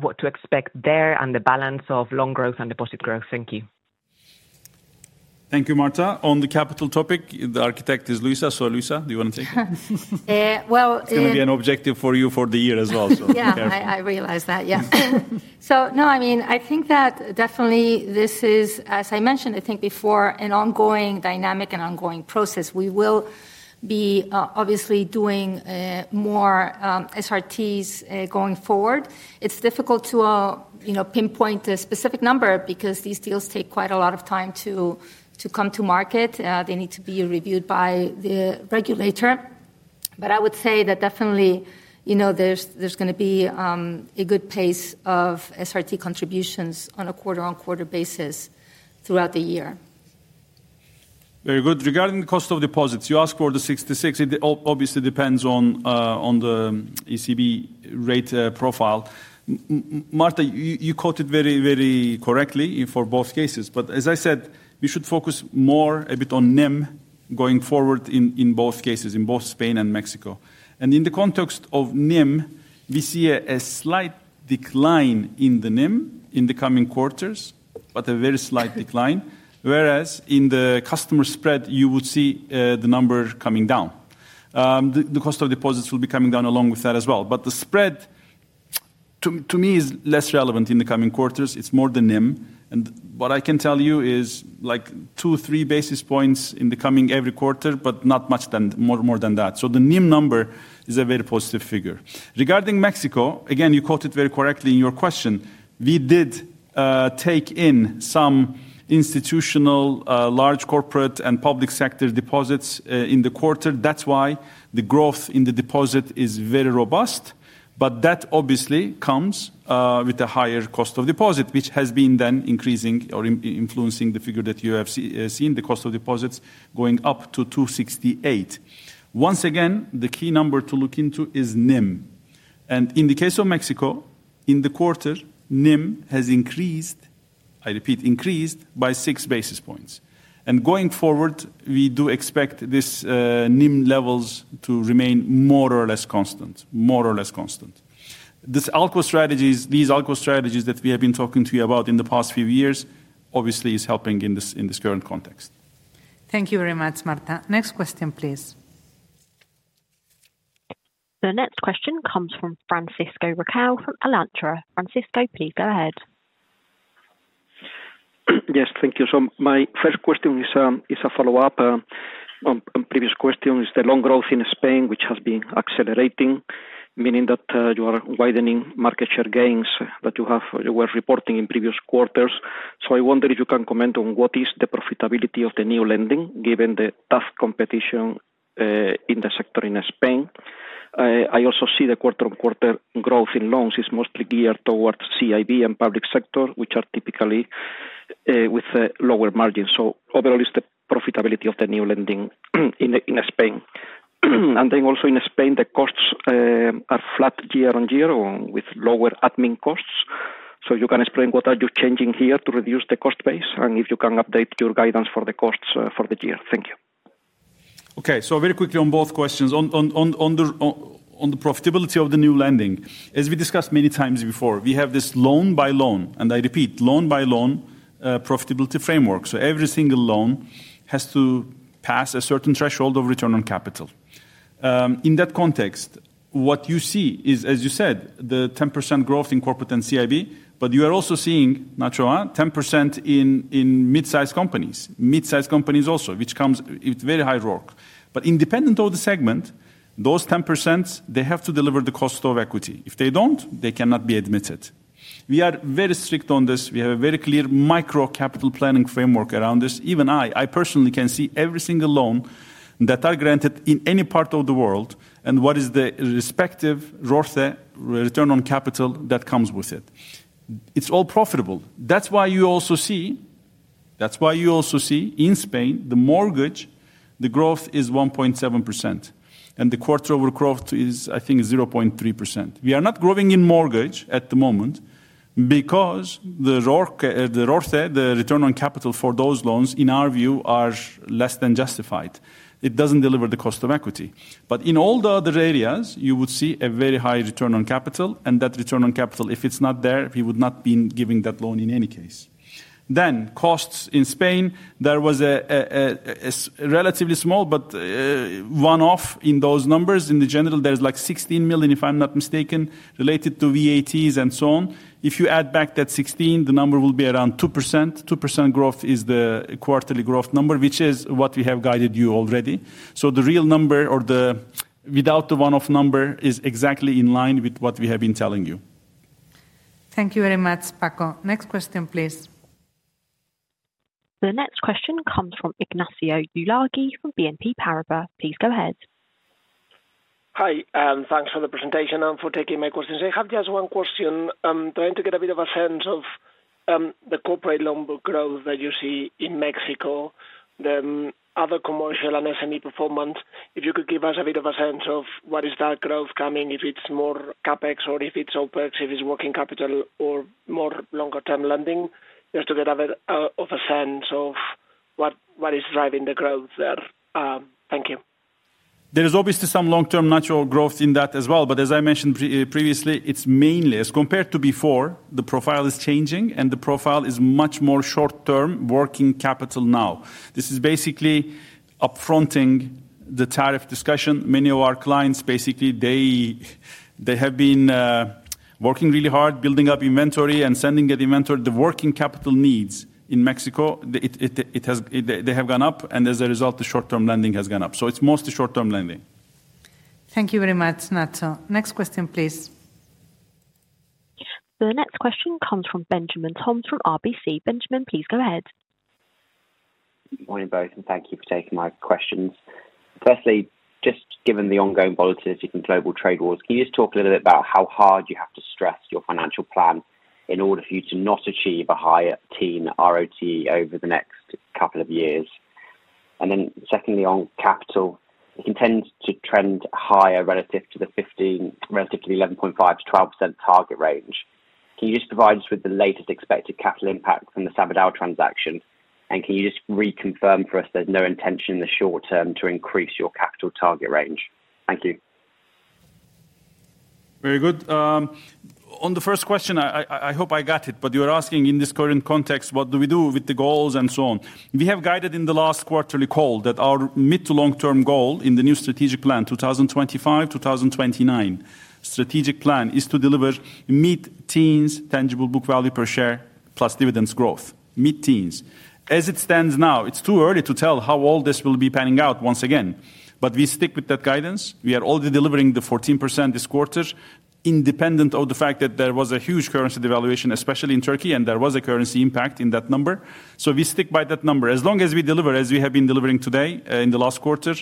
[SPEAKER 7] what to expect there and the balance of loan growth and deposit growth? Thank you.
[SPEAKER 2] Thank you, Marta. On the capital topic, the architect is Luisa. Luisa, do you want to take it?
[SPEAKER 3] I realize that, yes. I think that definitely this is, as I mentioned, I think before, an ongoing dynamic and ongoing process. We will be obviously doing more SRTs going forward. It's difficult to pinpoint a specific number because these deals take quite a lot of time to come to market. They need to be reviewed by the regulator. I would say that definitely there's going to be a good pace of SRT contributions on a quarter-on-quarter basis throughout the year.
[SPEAKER 2] Very good. Regarding the cost of deposits, you asked for the 66. It obviously depends on the ECB rate profile. Marta, you caught it very, very correctly for both cases. As I said, we should focus more a bit on NIM going forward in both cases, in both Spain and Mexico. In the context of NIM, we see a slight decline in the NIM in the coming quarters, but a very slight decline, whereas in the customer spread, you would see the number coming down. The cost of deposits will be coming down along with that as well. The spread, to me, is less relevant in the coming quarters. It's more the NIM. What I can tell you is like two, three basis points in the coming every quarter, but not much more than that. The NIM number is a very positive figure. Regarding Mexico, again, you caught it very correctly in your question. We did take in some institutional, large corporate, and public sector deposits in the quarter. That is why the growth in the deposit is very robust. That obviously comes with a higher cost of deposit, which has been then increasing or influencing the figure that you have seen, the cost of deposits going up to 268. Once again, the key number to look into is NIM. In the case of Mexico, in the quarter, NIM has increased, I repeat, increased by six basis points. Going forward, we do expect these NIM levels to remain more or less constant, more or less constant. These ALCO strategies, these ALCO strategies that we have been talking to you about in the past few years, obviously is helping in this current context.
[SPEAKER 1] Thank you very much, Marta. Next question, please.
[SPEAKER 4] The next question comes from Francisco Riquel from Alantra. Francisco, please go ahead.
[SPEAKER 6] Yes, thank you. My first question is a follow-up on previous questions. The loan growth in Spain, which has been accelerating, meaning that you are widening market share gains that you were reporting in previous quarters. I wonder if you can comment on what is the profitability of the new lending, given the tough competition in the sector in Spain. I also see the quarter-on-quarter growth in loans is mostly geared towards CIB and public sector, which are typically with lower margins. Overall, is the profitability of the new lending in Spain? Also in Spain, the costs are flat year on year with lower admin costs. You can explain what are you changing here to reduce the cost base and if you can update your guidance for the costs for the year. Thank you.
[SPEAKER 2] Okay, very quickly on both questions. On the profitability of the new lending, as we discussed many times before, we have this loan-by-loan, and I repeat, loan-by-loan profitability framework. Every single loan has to pass a certain threshold of return on capital. In that context, what you see is, as you said, the 10% growth in corporate and CIB, but you are also seeing, Nacho, 10% in mid-size companies, mid-size companies also, which comes with very high RORC. Independent of the segment, those 10%, they have to deliver the cost of equity. If they do not, they cannot be admitted. We are very strict on this. We have a very clear micro capital planning framework around this. I personally can see every single loan that are granted in any part of the world and what is the respective RORC, return on capital that comes with it. It's all profitable. That's why you also see in Spain, the mortgage, the growth is 1.7%. The quarter-over growth is, I think, 0.3%. We are not growing in mortgage at the moment because the RORC, the return on capital for those loans, in our view, are less than justified. It doesn't deliver the cost of equity. In all the other areas, you would see a very high return on capital. That return on capital, if it's not there, we would not be giving that loan in any case. Costs in Spain, there was a relatively small, but one-off in those numbers. In the general, there is like 16 million, if I am not mistaken, related to VATs and so on. If you add back that 16, the number will be around 2%. 2% growth is the quarterly growth number, which is what we have guided you already. The real number, or without the one-off number, is exactly in line with what we have been telling you.
[SPEAKER 1] Thank you very much, Paco. Next question, please.
[SPEAKER 4] The next question comes from Ignacio Ulargui from BNP Paribas. Please go ahead.
[SPEAKER 8] Hi, and thanks for the presentation and for taking my questions. I have just one question. I am trying to get a bit of a sense of the corporate loan book growth that you see in Mexico, the other commercial and SME performance. If you could give us a bit of a sense of what is that growth coming, if it's more CapEx or if it's OpEx, if it's working capital or more longer-term lending, just to get a bit of a sense of what is driving the growth there. Thank you.
[SPEAKER 2] There is obviously some long-term natural growth in that as well. As I mentioned previously, it's mainly, as compared to before, the profile is changing and the profile is much more short-term working capital now. This is basically upfronting the tariff discussion. Many of our clients, basically, they have been working really hard, building up inventory and sending that inventory. The working capital needs in Mexico, they have gone up, and as a result, the short-term lending has gone up. It is mostly short-term lending.
[SPEAKER 1] Thank you very much, Nacho. Next question, please.
[SPEAKER 4] The next question comes from Benjamin Toms from RBC. Benjamin, please go ahead.
[SPEAKER 9] Good morning, both, and thank you for taking my questions. Firstly, just given the ongoing volatility from global trade wars, can you just talk a little bit about how hard you have to stress your financial plan in order for you to not achieve a higher teen ROT over the next couple of years? Secondly, on capital, it tends to trend higher relative to the 11.5-12% target range. Can you just provide us with the latest expected capital impact from the Sabadell transaction? Can you just reconfirm for us there's no intention in the short term to increase your capital target range? Thank you.
[SPEAKER 2] Very good. On the first question, I hope I got it, but you're asking in this current context, what do we do with the goals and so on? We have guided in the last quarterly call that our mid to long-term goal in the new strategic plan, 2025-2029 strategic plan, is to deliver mid-teens tangible book value per share plus dividends growth, mid-teens. As it stands now, it's too early to tell how all this will be panning out once again. We stick with that guidance. We are already delivering the 14% this quarter, independent of the fact that there was a huge currency devaluation, especially in Turkey, and there was a currency impact in that number. We stick by that number. As long as we deliver, as we have been delivering today in the last quarter,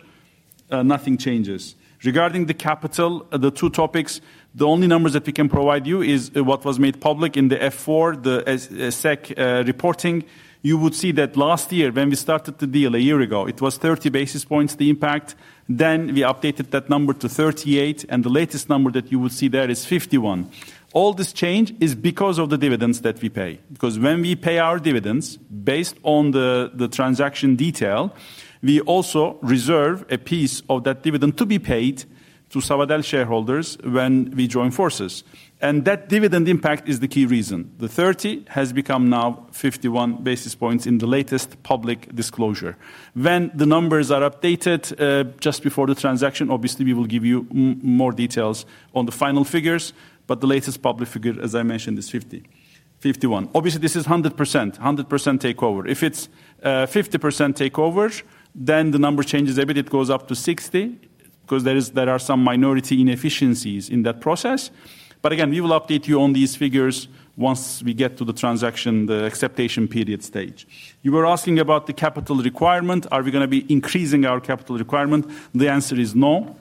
[SPEAKER 2] nothing changes. Regarding the capital, the two topics, the only numbers that we can provide you is what was made public in the F-4, the SEC reporting. You would see that last year, when we started the deal a year ago, it was 30 basis points the impact. Then we updated that number to 38, and the latest number that you would see there is 51. All this change is because of the dividends that we pay. Because when we pay our dividends based on the transaction detail, we also reserve a piece of that dividend to be paid to Sabadell shareholders when we join forces. And that dividend impact is the key reason. The 30 has become now 51 basis points in the latest public disclosure. When the numbers are updated just before the transaction, obviously, we will give you more details on the final figures. But the latest public figure, as I mentioned, is 50, 51. Obviously, this is 100%, 100% takeover. If it's 50% takeover, then the number changes a bit. It goes up to 60 because there are some minority inefficiencies in that process. Again, we will update you on these figures once we get to the transaction, the acceptation period stage. You were asking about the capital requirement. Are we going to be increasing our capital requirement? The answer is no.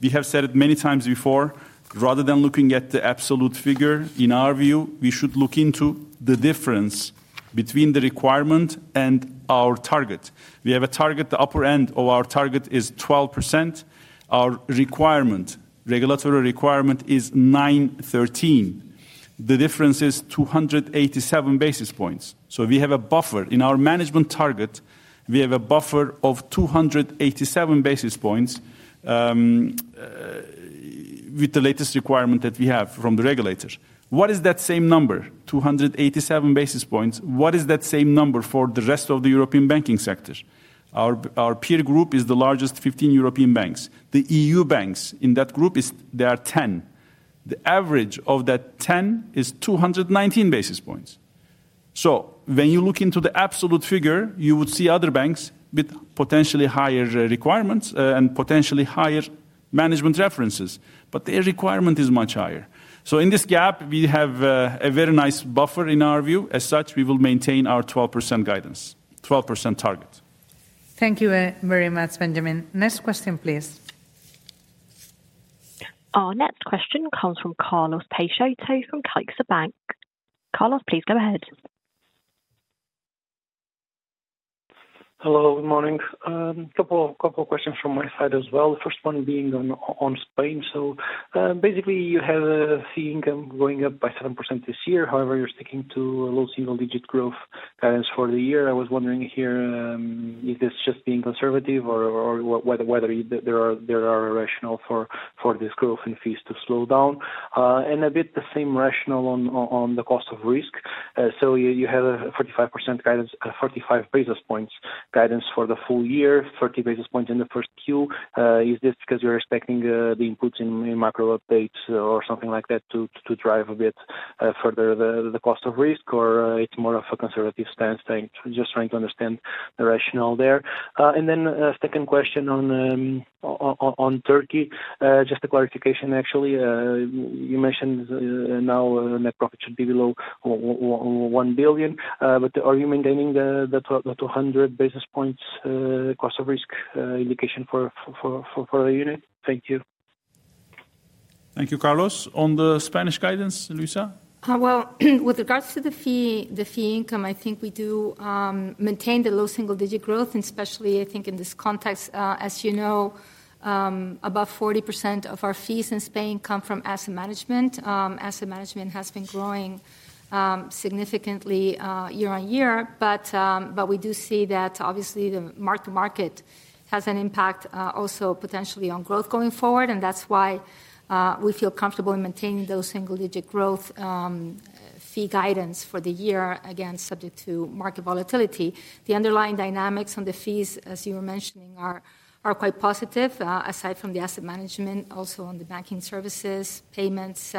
[SPEAKER 2] We have said it many times before. Rather than looking at the absolute figure, in our view, we should look into the difference between the requirement and our target. We have a target. The upper end of our target is 12%. Our requirement, regulatory requirement, is 9.13%. The difference is 287 basis points. We have a buffer in our management target. We have a buffer of 287 basis points with the latest requirement that we have from the regulator. What is that same number, 287 basis points? What is that same number for the rest of the European banking sector? Our peer group is the largest 15 European banks. The EU banks in that group, there are 10. The average of that 10 is 219 basis points. When you look into the absolute figure, you would see other banks with potentially higher requirements and potentially higher management references. Their requirement is much higher. In this gap, we have a very nice buffer in our view. As such, we will maintain our 12% guidance, 12% target.
[SPEAKER 1] Thank you very much, Benjamin. Next question, please.
[SPEAKER 4] Our next question comes from Carlos Peixoto from CaixaBank. Carlos, please go ahead.
[SPEAKER 10] Hello, good morning. A couple of questions from my side as well. The first one being on Spain. You have seen them going up by 7% this year. However, you're sticking to a low single-digit growth guidance for the year. I was wondering here if it's just being conservative or whether there is a rationale for this growth in fees to slow down. A bit the same rationale on the cost of risk. You have a 45 basis points guidance for the full year, 30 basis points in the Q1. Is this because you're expecting the inputs in macro updates or something like that to drive a bit further the cost of risk, or it's more of a conservative stance? Just trying to understand the rationale there. A second question on Turkey. Just a clarification, actually. You mentioned now net profit should be below $1 billion. Are you maintaining the 200 basis points cost of risk indication for the unit? Thank you.
[SPEAKER 2] Thank you, Carlos. On the Spanish guidance, Luisa?
[SPEAKER 3] With regards to the fee income, I think we do maintain the low single-digit growth, especially I think in this context. As you know, about 40% of our fees in Spain come from asset management. Asset management has been growing significantly year on year. We do see that obviously the mark-to-market has an impact also potentially on growth going forward. That is why we feel comfortable in maintaining those single-digit growth fee guidance for the year, again, subject to market volatility. The underlying dynamics on the fees, as you were mentioning, are quite positive, aside from the asset management, also on the banking services, payments,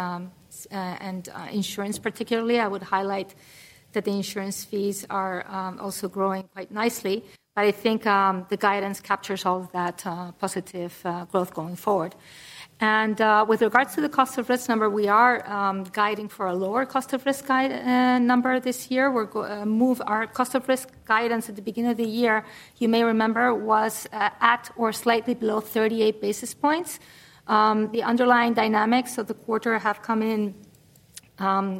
[SPEAKER 3] and insurance particularly. I would highlight that the insurance fees are also growing quite nicely. I think the guidance captures all of that positive growth going forward. With regards to the cost of risk number, we are guiding for a lower cost of risk number this year. Our cost of risk guidance at the beginning of the year, you may remember, was at or slightly below 38 basis points. The underlying dynamics of the quarter have come in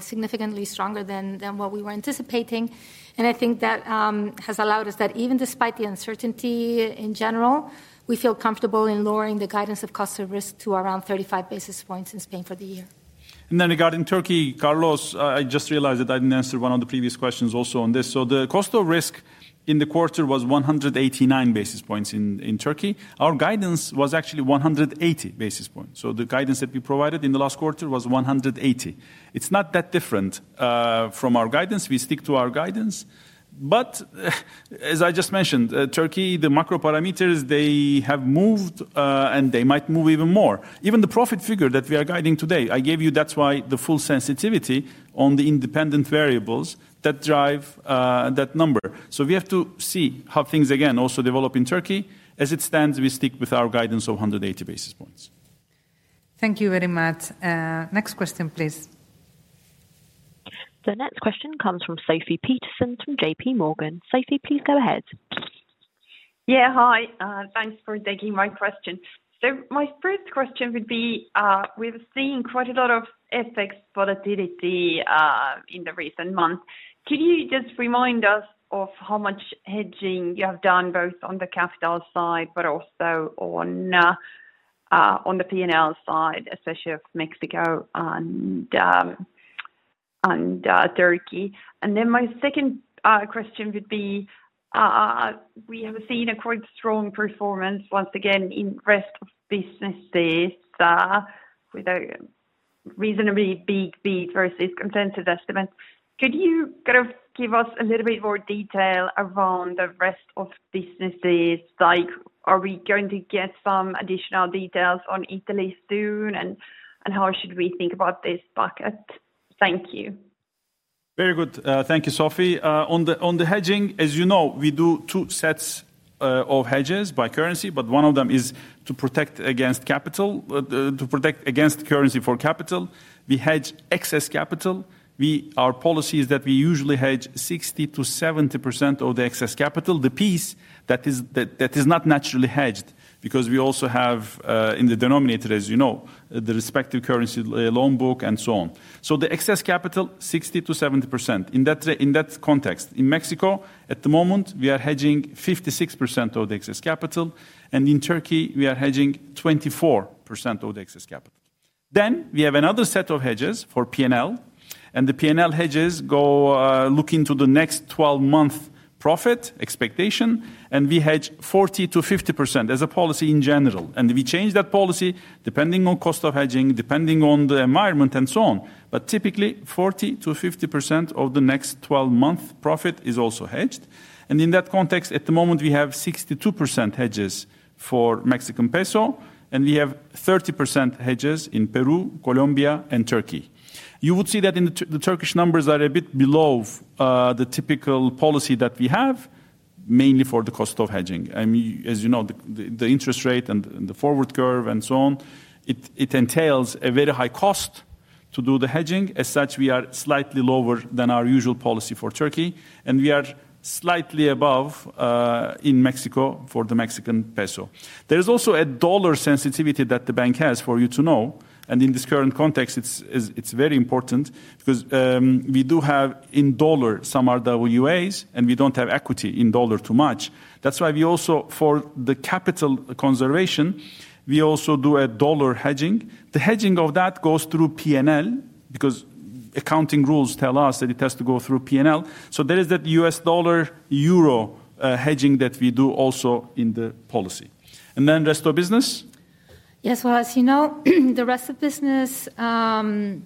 [SPEAKER 3] significantly stronger than what we were anticipating. I think that has allowed us that even despite the uncertainty in general, we feel comfortable in lowering the guidance of cost of risk to around 35 basis points in Spain for the year.
[SPEAKER 2] Regarding Turkey, Carlos, I just realized that I did not answer one of the previous questions also on this. The cost of risk in the quarter was 189 basis points in Turkey. Our guidance was actually 180 basis points. The guidance that we provided in the last quarter was 180. It's not that different from our guidance. We stick to our guidance. As I just mentioned, Turkey, the macro parameters, they have moved and they might move even more. Even the profit figure that we are guiding today, I gave you, that's why the full sensitivity on the independent variables that drive that number. We have to see how things, again, also develop in Turkey. As it stands, we stick with our guidance of 180 basis points.
[SPEAKER 1] Thank you very much. Next question, please.
[SPEAKER 4] The next question comes from Sofie Peterzens from J.P. Morgan. Sofie, please go ahead.
[SPEAKER 11] Yeah, hi. Thanks for taking my question. My first question would be, we've seen quite a lot of FX volatility in the recent months. Can you just remind us of how much hedging you have done both on the capital side, but also on the P&L side, especially of Mexico and Turkey? My second question would be, we have seen a quite strong performance once again in Rest of Business with a reasonably big beat versus consensus estimates. Could you kind of give us a little bit more detail around the Rest of Business? Are we going to get some additional details on Italy soon? How should we think about this bucket? Thank you.
[SPEAKER 2] Very good. Thank you, Sofie. On the hedging, as you know, we do two sets of hedges by currency, but one of them is to protect against capital, to protect against currency for capital. We hedge excess capital. Our policy is that we usually hedge 60-70% of the excess capital, the piece that is not naturally hedged, because we also have in the denominator, as you know, the respective currency loan book and so on. The excess capital, 60-70%. In that context, in Mexico, at the moment, we are hedging 56% of the excess capital. In Turkey, we are hedging 24% of the excess capital. We have another set of hedges for P&L. The P&L hedges look into the next 12-month profit expectation. We hedge 40-50% as a policy in general. We change that policy depending on cost of hedging, depending on the environment and so on. Typically, 40-50% of the next 12-month profit is also hedged. In that context, at the moment, we have 62% hedges for Mexican peso. We have 30% hedges in Peru, Colombia, and Turkey. You would see that the Turkish numbers are a bit below the typical policy that we have, mainly for the cost of hedging. As you know, the interest rate and the forward curve and so on, it entails a very high cost to do the hedging. As such, we are slightly lower than our usual policy for Turkey. We are slightly above in Mexico for the Mexican peso. There is also a dollar sensitivity that the bank has for you to know. In this current context, it's very important because we do have in dollar some RWAs, and we do not have equity in dollar too much. That is why we also, for the capital conservation, we also do a dollar hedging. The hedging of that goes through P&L because accounting rules tell us that it has to go through P&L. There is that US dollar-euro hedging that we do also in the policy. The Rest of Business?
[SPEAKER 3] Yes, as you know, the Rest of Business area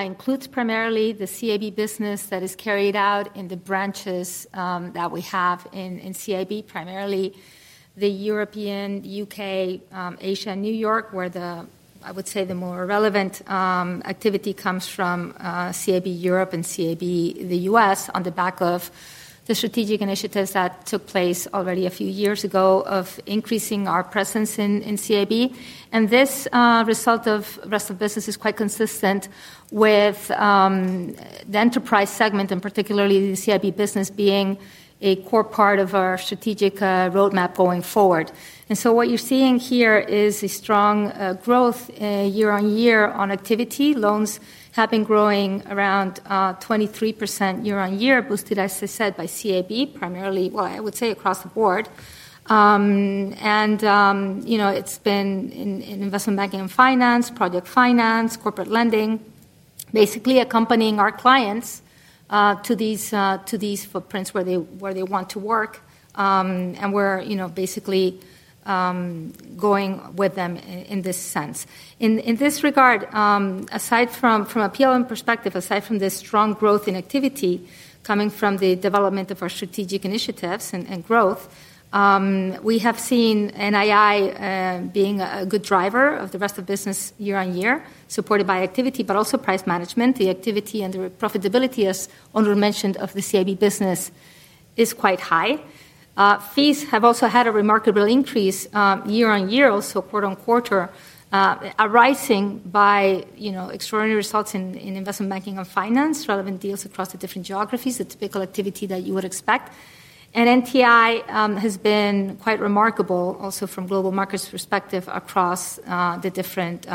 [SPEAKER 3] includes primarily the CIB business that is carried out in the branches that we have in CIB, primarily the European, U.K., Asia, and New York, where I would say the more relevant activity comes from CIB Europe and CIB, the U.S., on the back of the strategic initiatives that took place already a few years ago of increasing our presence in CIB. This result of Rest of Business is quite consistent with the enterprise segment, and particularly the CIB business being a core part of our strategic roadmap going forward. What you're seeing here is a strong growth year on year on activity. Loans have been growing around 23% year on year, boosted, as I said, by CIB, primarily, I would say across the board. It has been in investment banking and finance, project finance, corporate lending, basically accompanying our clients to these footprints where they want to work and we're basically going with them in this sense. In this regard, aside from a P&L perspective, aside from this strong growth in activity coming from the development of our strategic initiatives and growth, we have seen NII being a good driver of the Rest of Business year on year, supported by activity, but also price management. The activity and the profitability, as Onur mentioned, of the CIB business is quite high. Fees have also had a remarkable increase year on year, also quarter on quarter, arising by extraordinary results in investment banking and finance, relevant deals across the different geographies, the typical activity that you would expect. NTI has been quite remarkable also from global markets perspective across the different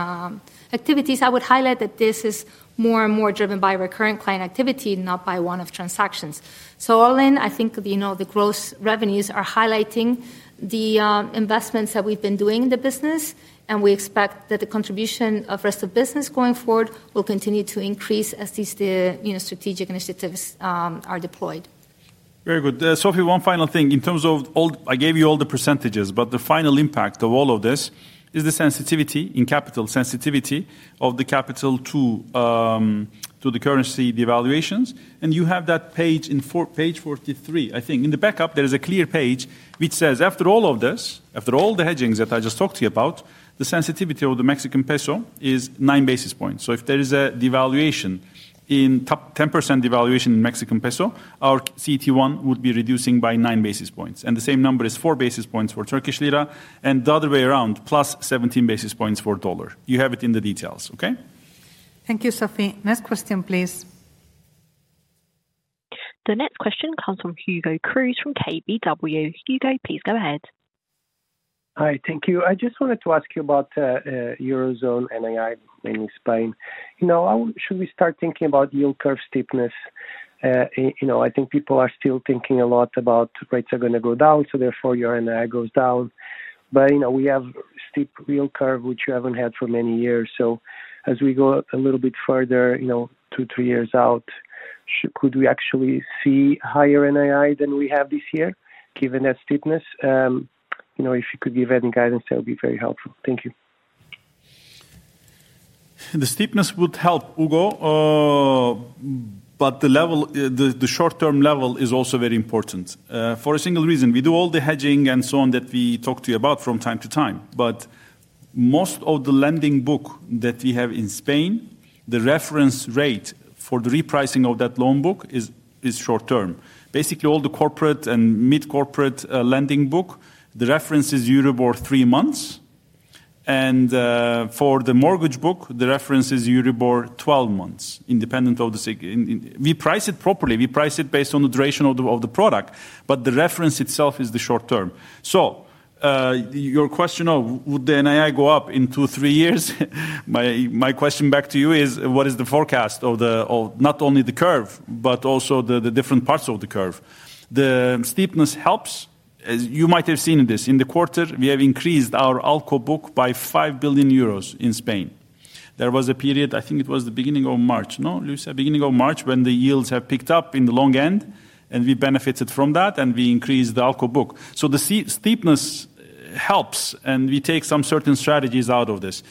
[SPEAKER 3] activities. I would highlight that this is more and more driven by recurrent client activity, not by one-off transactions. All in, I think the gross revenues are highlighting the investments that we've been doing in the business. We expect that the contribution of Rest of Business going forward will continue to increase as these strategic initiatives are deployed.
[SPEAKER 2] Very good. Sofie, one final thing. In terms of all, I gave you all the percentages, but the final impact of all of this is the sensitivity in capital sensitivity of the capital to the currency, the devaluations. You have that page in page 43, I think. In the backup, there is a clear page which says, after all of this, after all the hedgings that I just talked to you about, the sensitivity of the Mexican peso is 9 basis points. If there is a devaluation, 10% devaluation in Mexican peso, our CET1 would be reducing by 9 basis points. The same number is 4 basis points for Turkish lira and the other way around, plus 17 basis points for dollar. You have it in the details, okay?
[SPEAKER 1] Thank you, Sofie. Next question, please.
[SPEAKER 4] The next question comes from Hugo Cruz from KBW. Hugo, please go ahead.
[SPEAKER 12] Hi, thank you. I just wanted to ask you about Eurozone NII in Spain. Should we start thinking about yield curve steepness? I think people are still thinking a lot about rates are going to go down, so therefore your NII goes down. We have steep yield curve, which you have not had for many years. As we go a little bit further, two, three years out, could we actually see higher NII than we have this year, given that steepness? If you could give any guidance, that would be very helpful. Thank you.
[SPEAKER 2] The steepness would help, Hugo. The short-term level is also very important for a single reason. We do all the hedging and so on that we talk to you about from time to time. Most of the lending book that we have in Spain, the reference rate for the repricing of that loan book is short-term. Basically, all the corporate and mid-corporate lending book, the reference is Euribor three months. For the mortgage book, the reference is Euribor 12 months, independent of the signal. We price it properly. We price it based on the duration of the product. The reference itself is the short-term. Your question of, would the NII go up in two, three years? My question back to you is, what is the forecast of not only the curve, but also the different parts of the curve? The steepness helps. You might have seen this. In the quarter, we have increased our ALCO book by 5 billion euros in Spain. There was a period, I think it was the beginning of March, no? Luisa, beginning of March when the yields have picked up in the long end. We benefited from that, and we increased the ALCO book. The steepness helps, and we take some certain strategies out of this.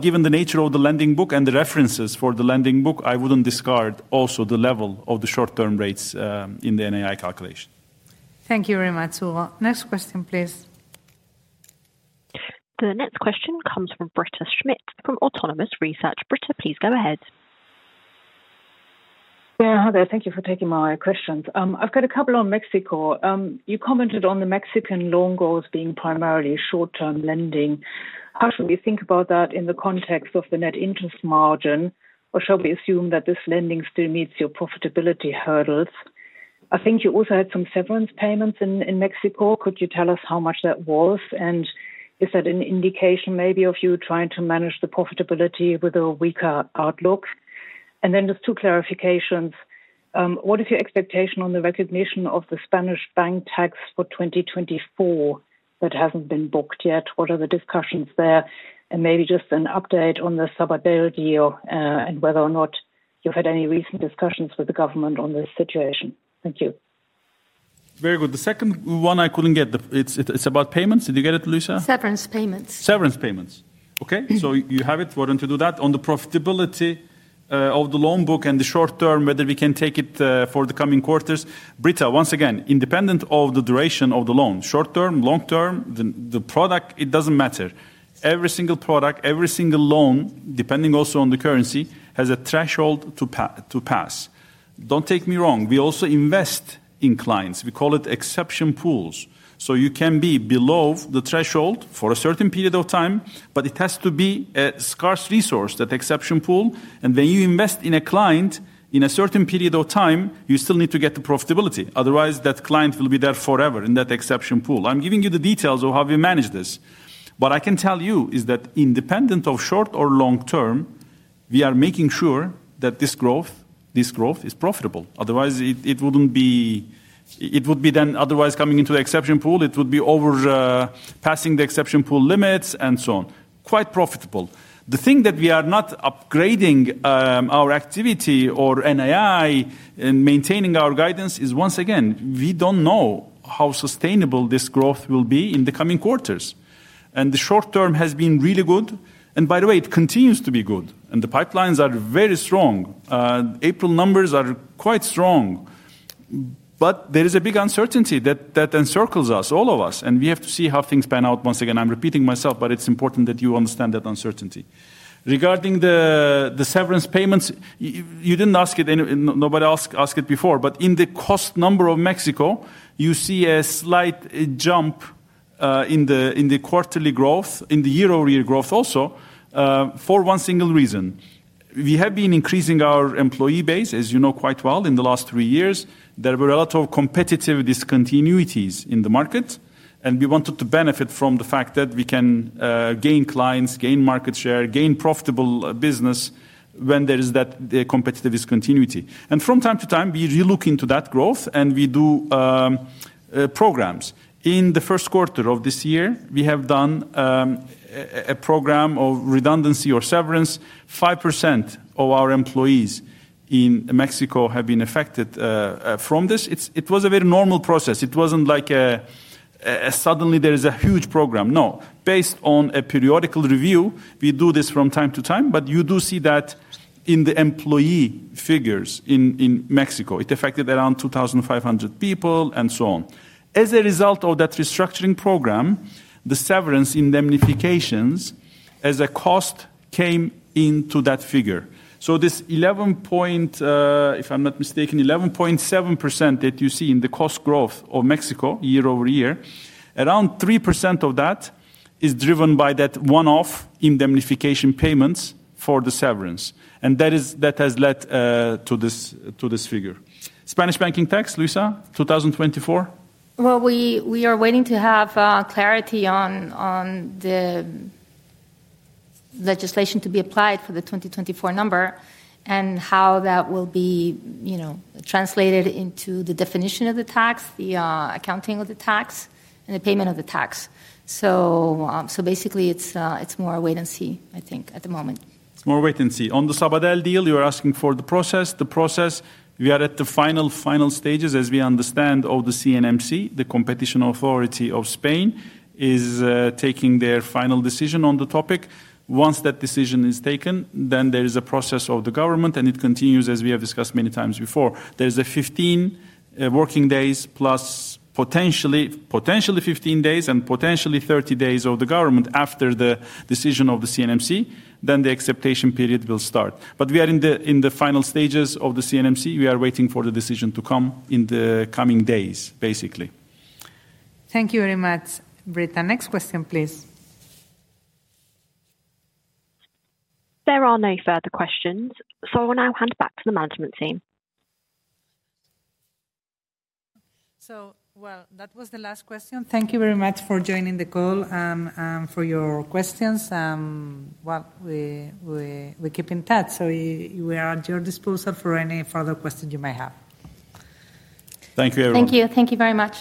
[SPEAKER 2] Given the nature of the lending book and the references for the lending book, I would not discard also the level of the short-term rates in the NII calculation.
[SPEAKER 4] Thank you very much, Hugo. Next question, please. The next question comes from Britta Schmidt from Autonomous Research. Britta, please go ahead.
[SPEAKER 13] Yeah, hi there. Thank you for taking my questions. I have got a couple on Mexico. You commented on the Mexican loan goals being primarily short-term lending. How should we think about that in the context of the net interest margin? Or shall we assume that this lending still meets your profitability hurdles? I think you also had some severance payments in Mexico. Could you tell us how much that was? Is that an indication maybe of you trying to manage the profitability with a weaker outlook? Then just two clarifications. What is your expectation on the recognition of the Spanish bank tax for 2024 that has not been booked yet? What are the discussions there? Maybe just an update on the Sabadell deal and whether or not you have had any recent discussions with the government on this situation. Thank you.
[SPEAKER 2] Very good. The second one I could not get. It is about payments. Did you get it, Luisa? Severance payments. Severance payments. Okay. You have it. Why do you not do that? On the profitability of the loan book and the short-term, whether we can take it for the coming quarters. Britta, once again, independent of the duration of the loan, short-term, long-term, the product, it does not matter. Every single product, every single loan, depending also on the currency, has a threshold to pass. Do not take me wrong. We also invest in clients. We call it exception pools. You can be below the threshold for a certain period of time, but it has to be a scarce resource, that exception pool. When you invest in a client in a certain period of time, you still need to get the profitability. Otherwise, that client will be there forever in that exception pool. I'm giving you the details of how we manage this. What I can tell you is that independent of short or long-term, we are making sure that this growth, this growth is profitable. Otherwise, it would be then otherwise coming into the exception pool, it would be overpassing the exception pool limits and so on. Quite profitable. The thing that we are not upgrading our activity or NII and maintaining our guidance is, once again, we don't know how sustainable this growth will be in the coming quarters. The short-term has been really good. By the way, it continues to be good. The pipelines are very strong. April numbers are quite strong. There is a big uncertainty that encircles us, all of us. We have to see how things pan out. Once again, I'm repeating myself, but it's important that you understand that uncertainty. Regarding the severance payments, you did not ask it. Nobody asked it before. In the cost number of Mexico, you see a slight jump in the quarterly growth, in the year-over-year growth also, for one single reason. We have been increasing our employee base, as you know quite well, in the last three years. There were a lot of competitive discontinuities in the market. We wanted to benefit from the fact that we can gain clients, gain market share, gain profitable business when there is that competitive discontinuity. From time to time, we look into that growth and we do programs. In the Q1 of this year, we have done a program of redundancy or severance. 5% of our employees in Mexico have been affected from this. It was a very normal process. It was not like suddenly there is a huge program. No. Based on a periodical review, we do this from time to time. You do see that in the employee figures in Mexico. It affected around 2,500 people and so on. As a result of that restructuring program, the severance indemnifications as a cost came into that figure. This 11.7% that you see in the cost growth of Mexico year over year, around 3% of that is driven by that one-off indemnification payments for the severance. That has led to this figure. Spanish banking tax, Luisa, 2024?
[SPEAKER 3] We are waiting to have clarity on the legislation to be applied for the 2024 number and how that will be translated into the definition of the tax, the accounting of the tax, and the payment of the tax. Basically, it's more wait and see, I think, at the moment.
[SPEAKER 2] It's more wait and see. On the Sabadell deal, you are asking for the process. The process, we are at the final, final stages, as we understand, of the CNMC, the Competition Authority of Spain, is taking their final decision on the topic. Once that decision is taken, there is a process of the government, and it continues, as we have discussed many times before. There is 15 working days plus potentially 15 days and potentially 30 days of the government after the decision of the CNMC. The acceptation period will start. We are in the final stages of the CNMC. We are waiting for the decision to come in the coming days, basically.
[SPEAKER 1] Thank you very much, Britta. Next question, please.
[SPEAKER 4] There are no further questions. I will now hand back to the management team.
[SPEAKER 1] That was the last question. Thank you very much for joining the call and for your questions. We keep in touch. We are at your disposal for any further questions you may have.
[SPEAKER 2] Thank you, everyone.
[SPEAKER 1] Thank you. Thank you very much.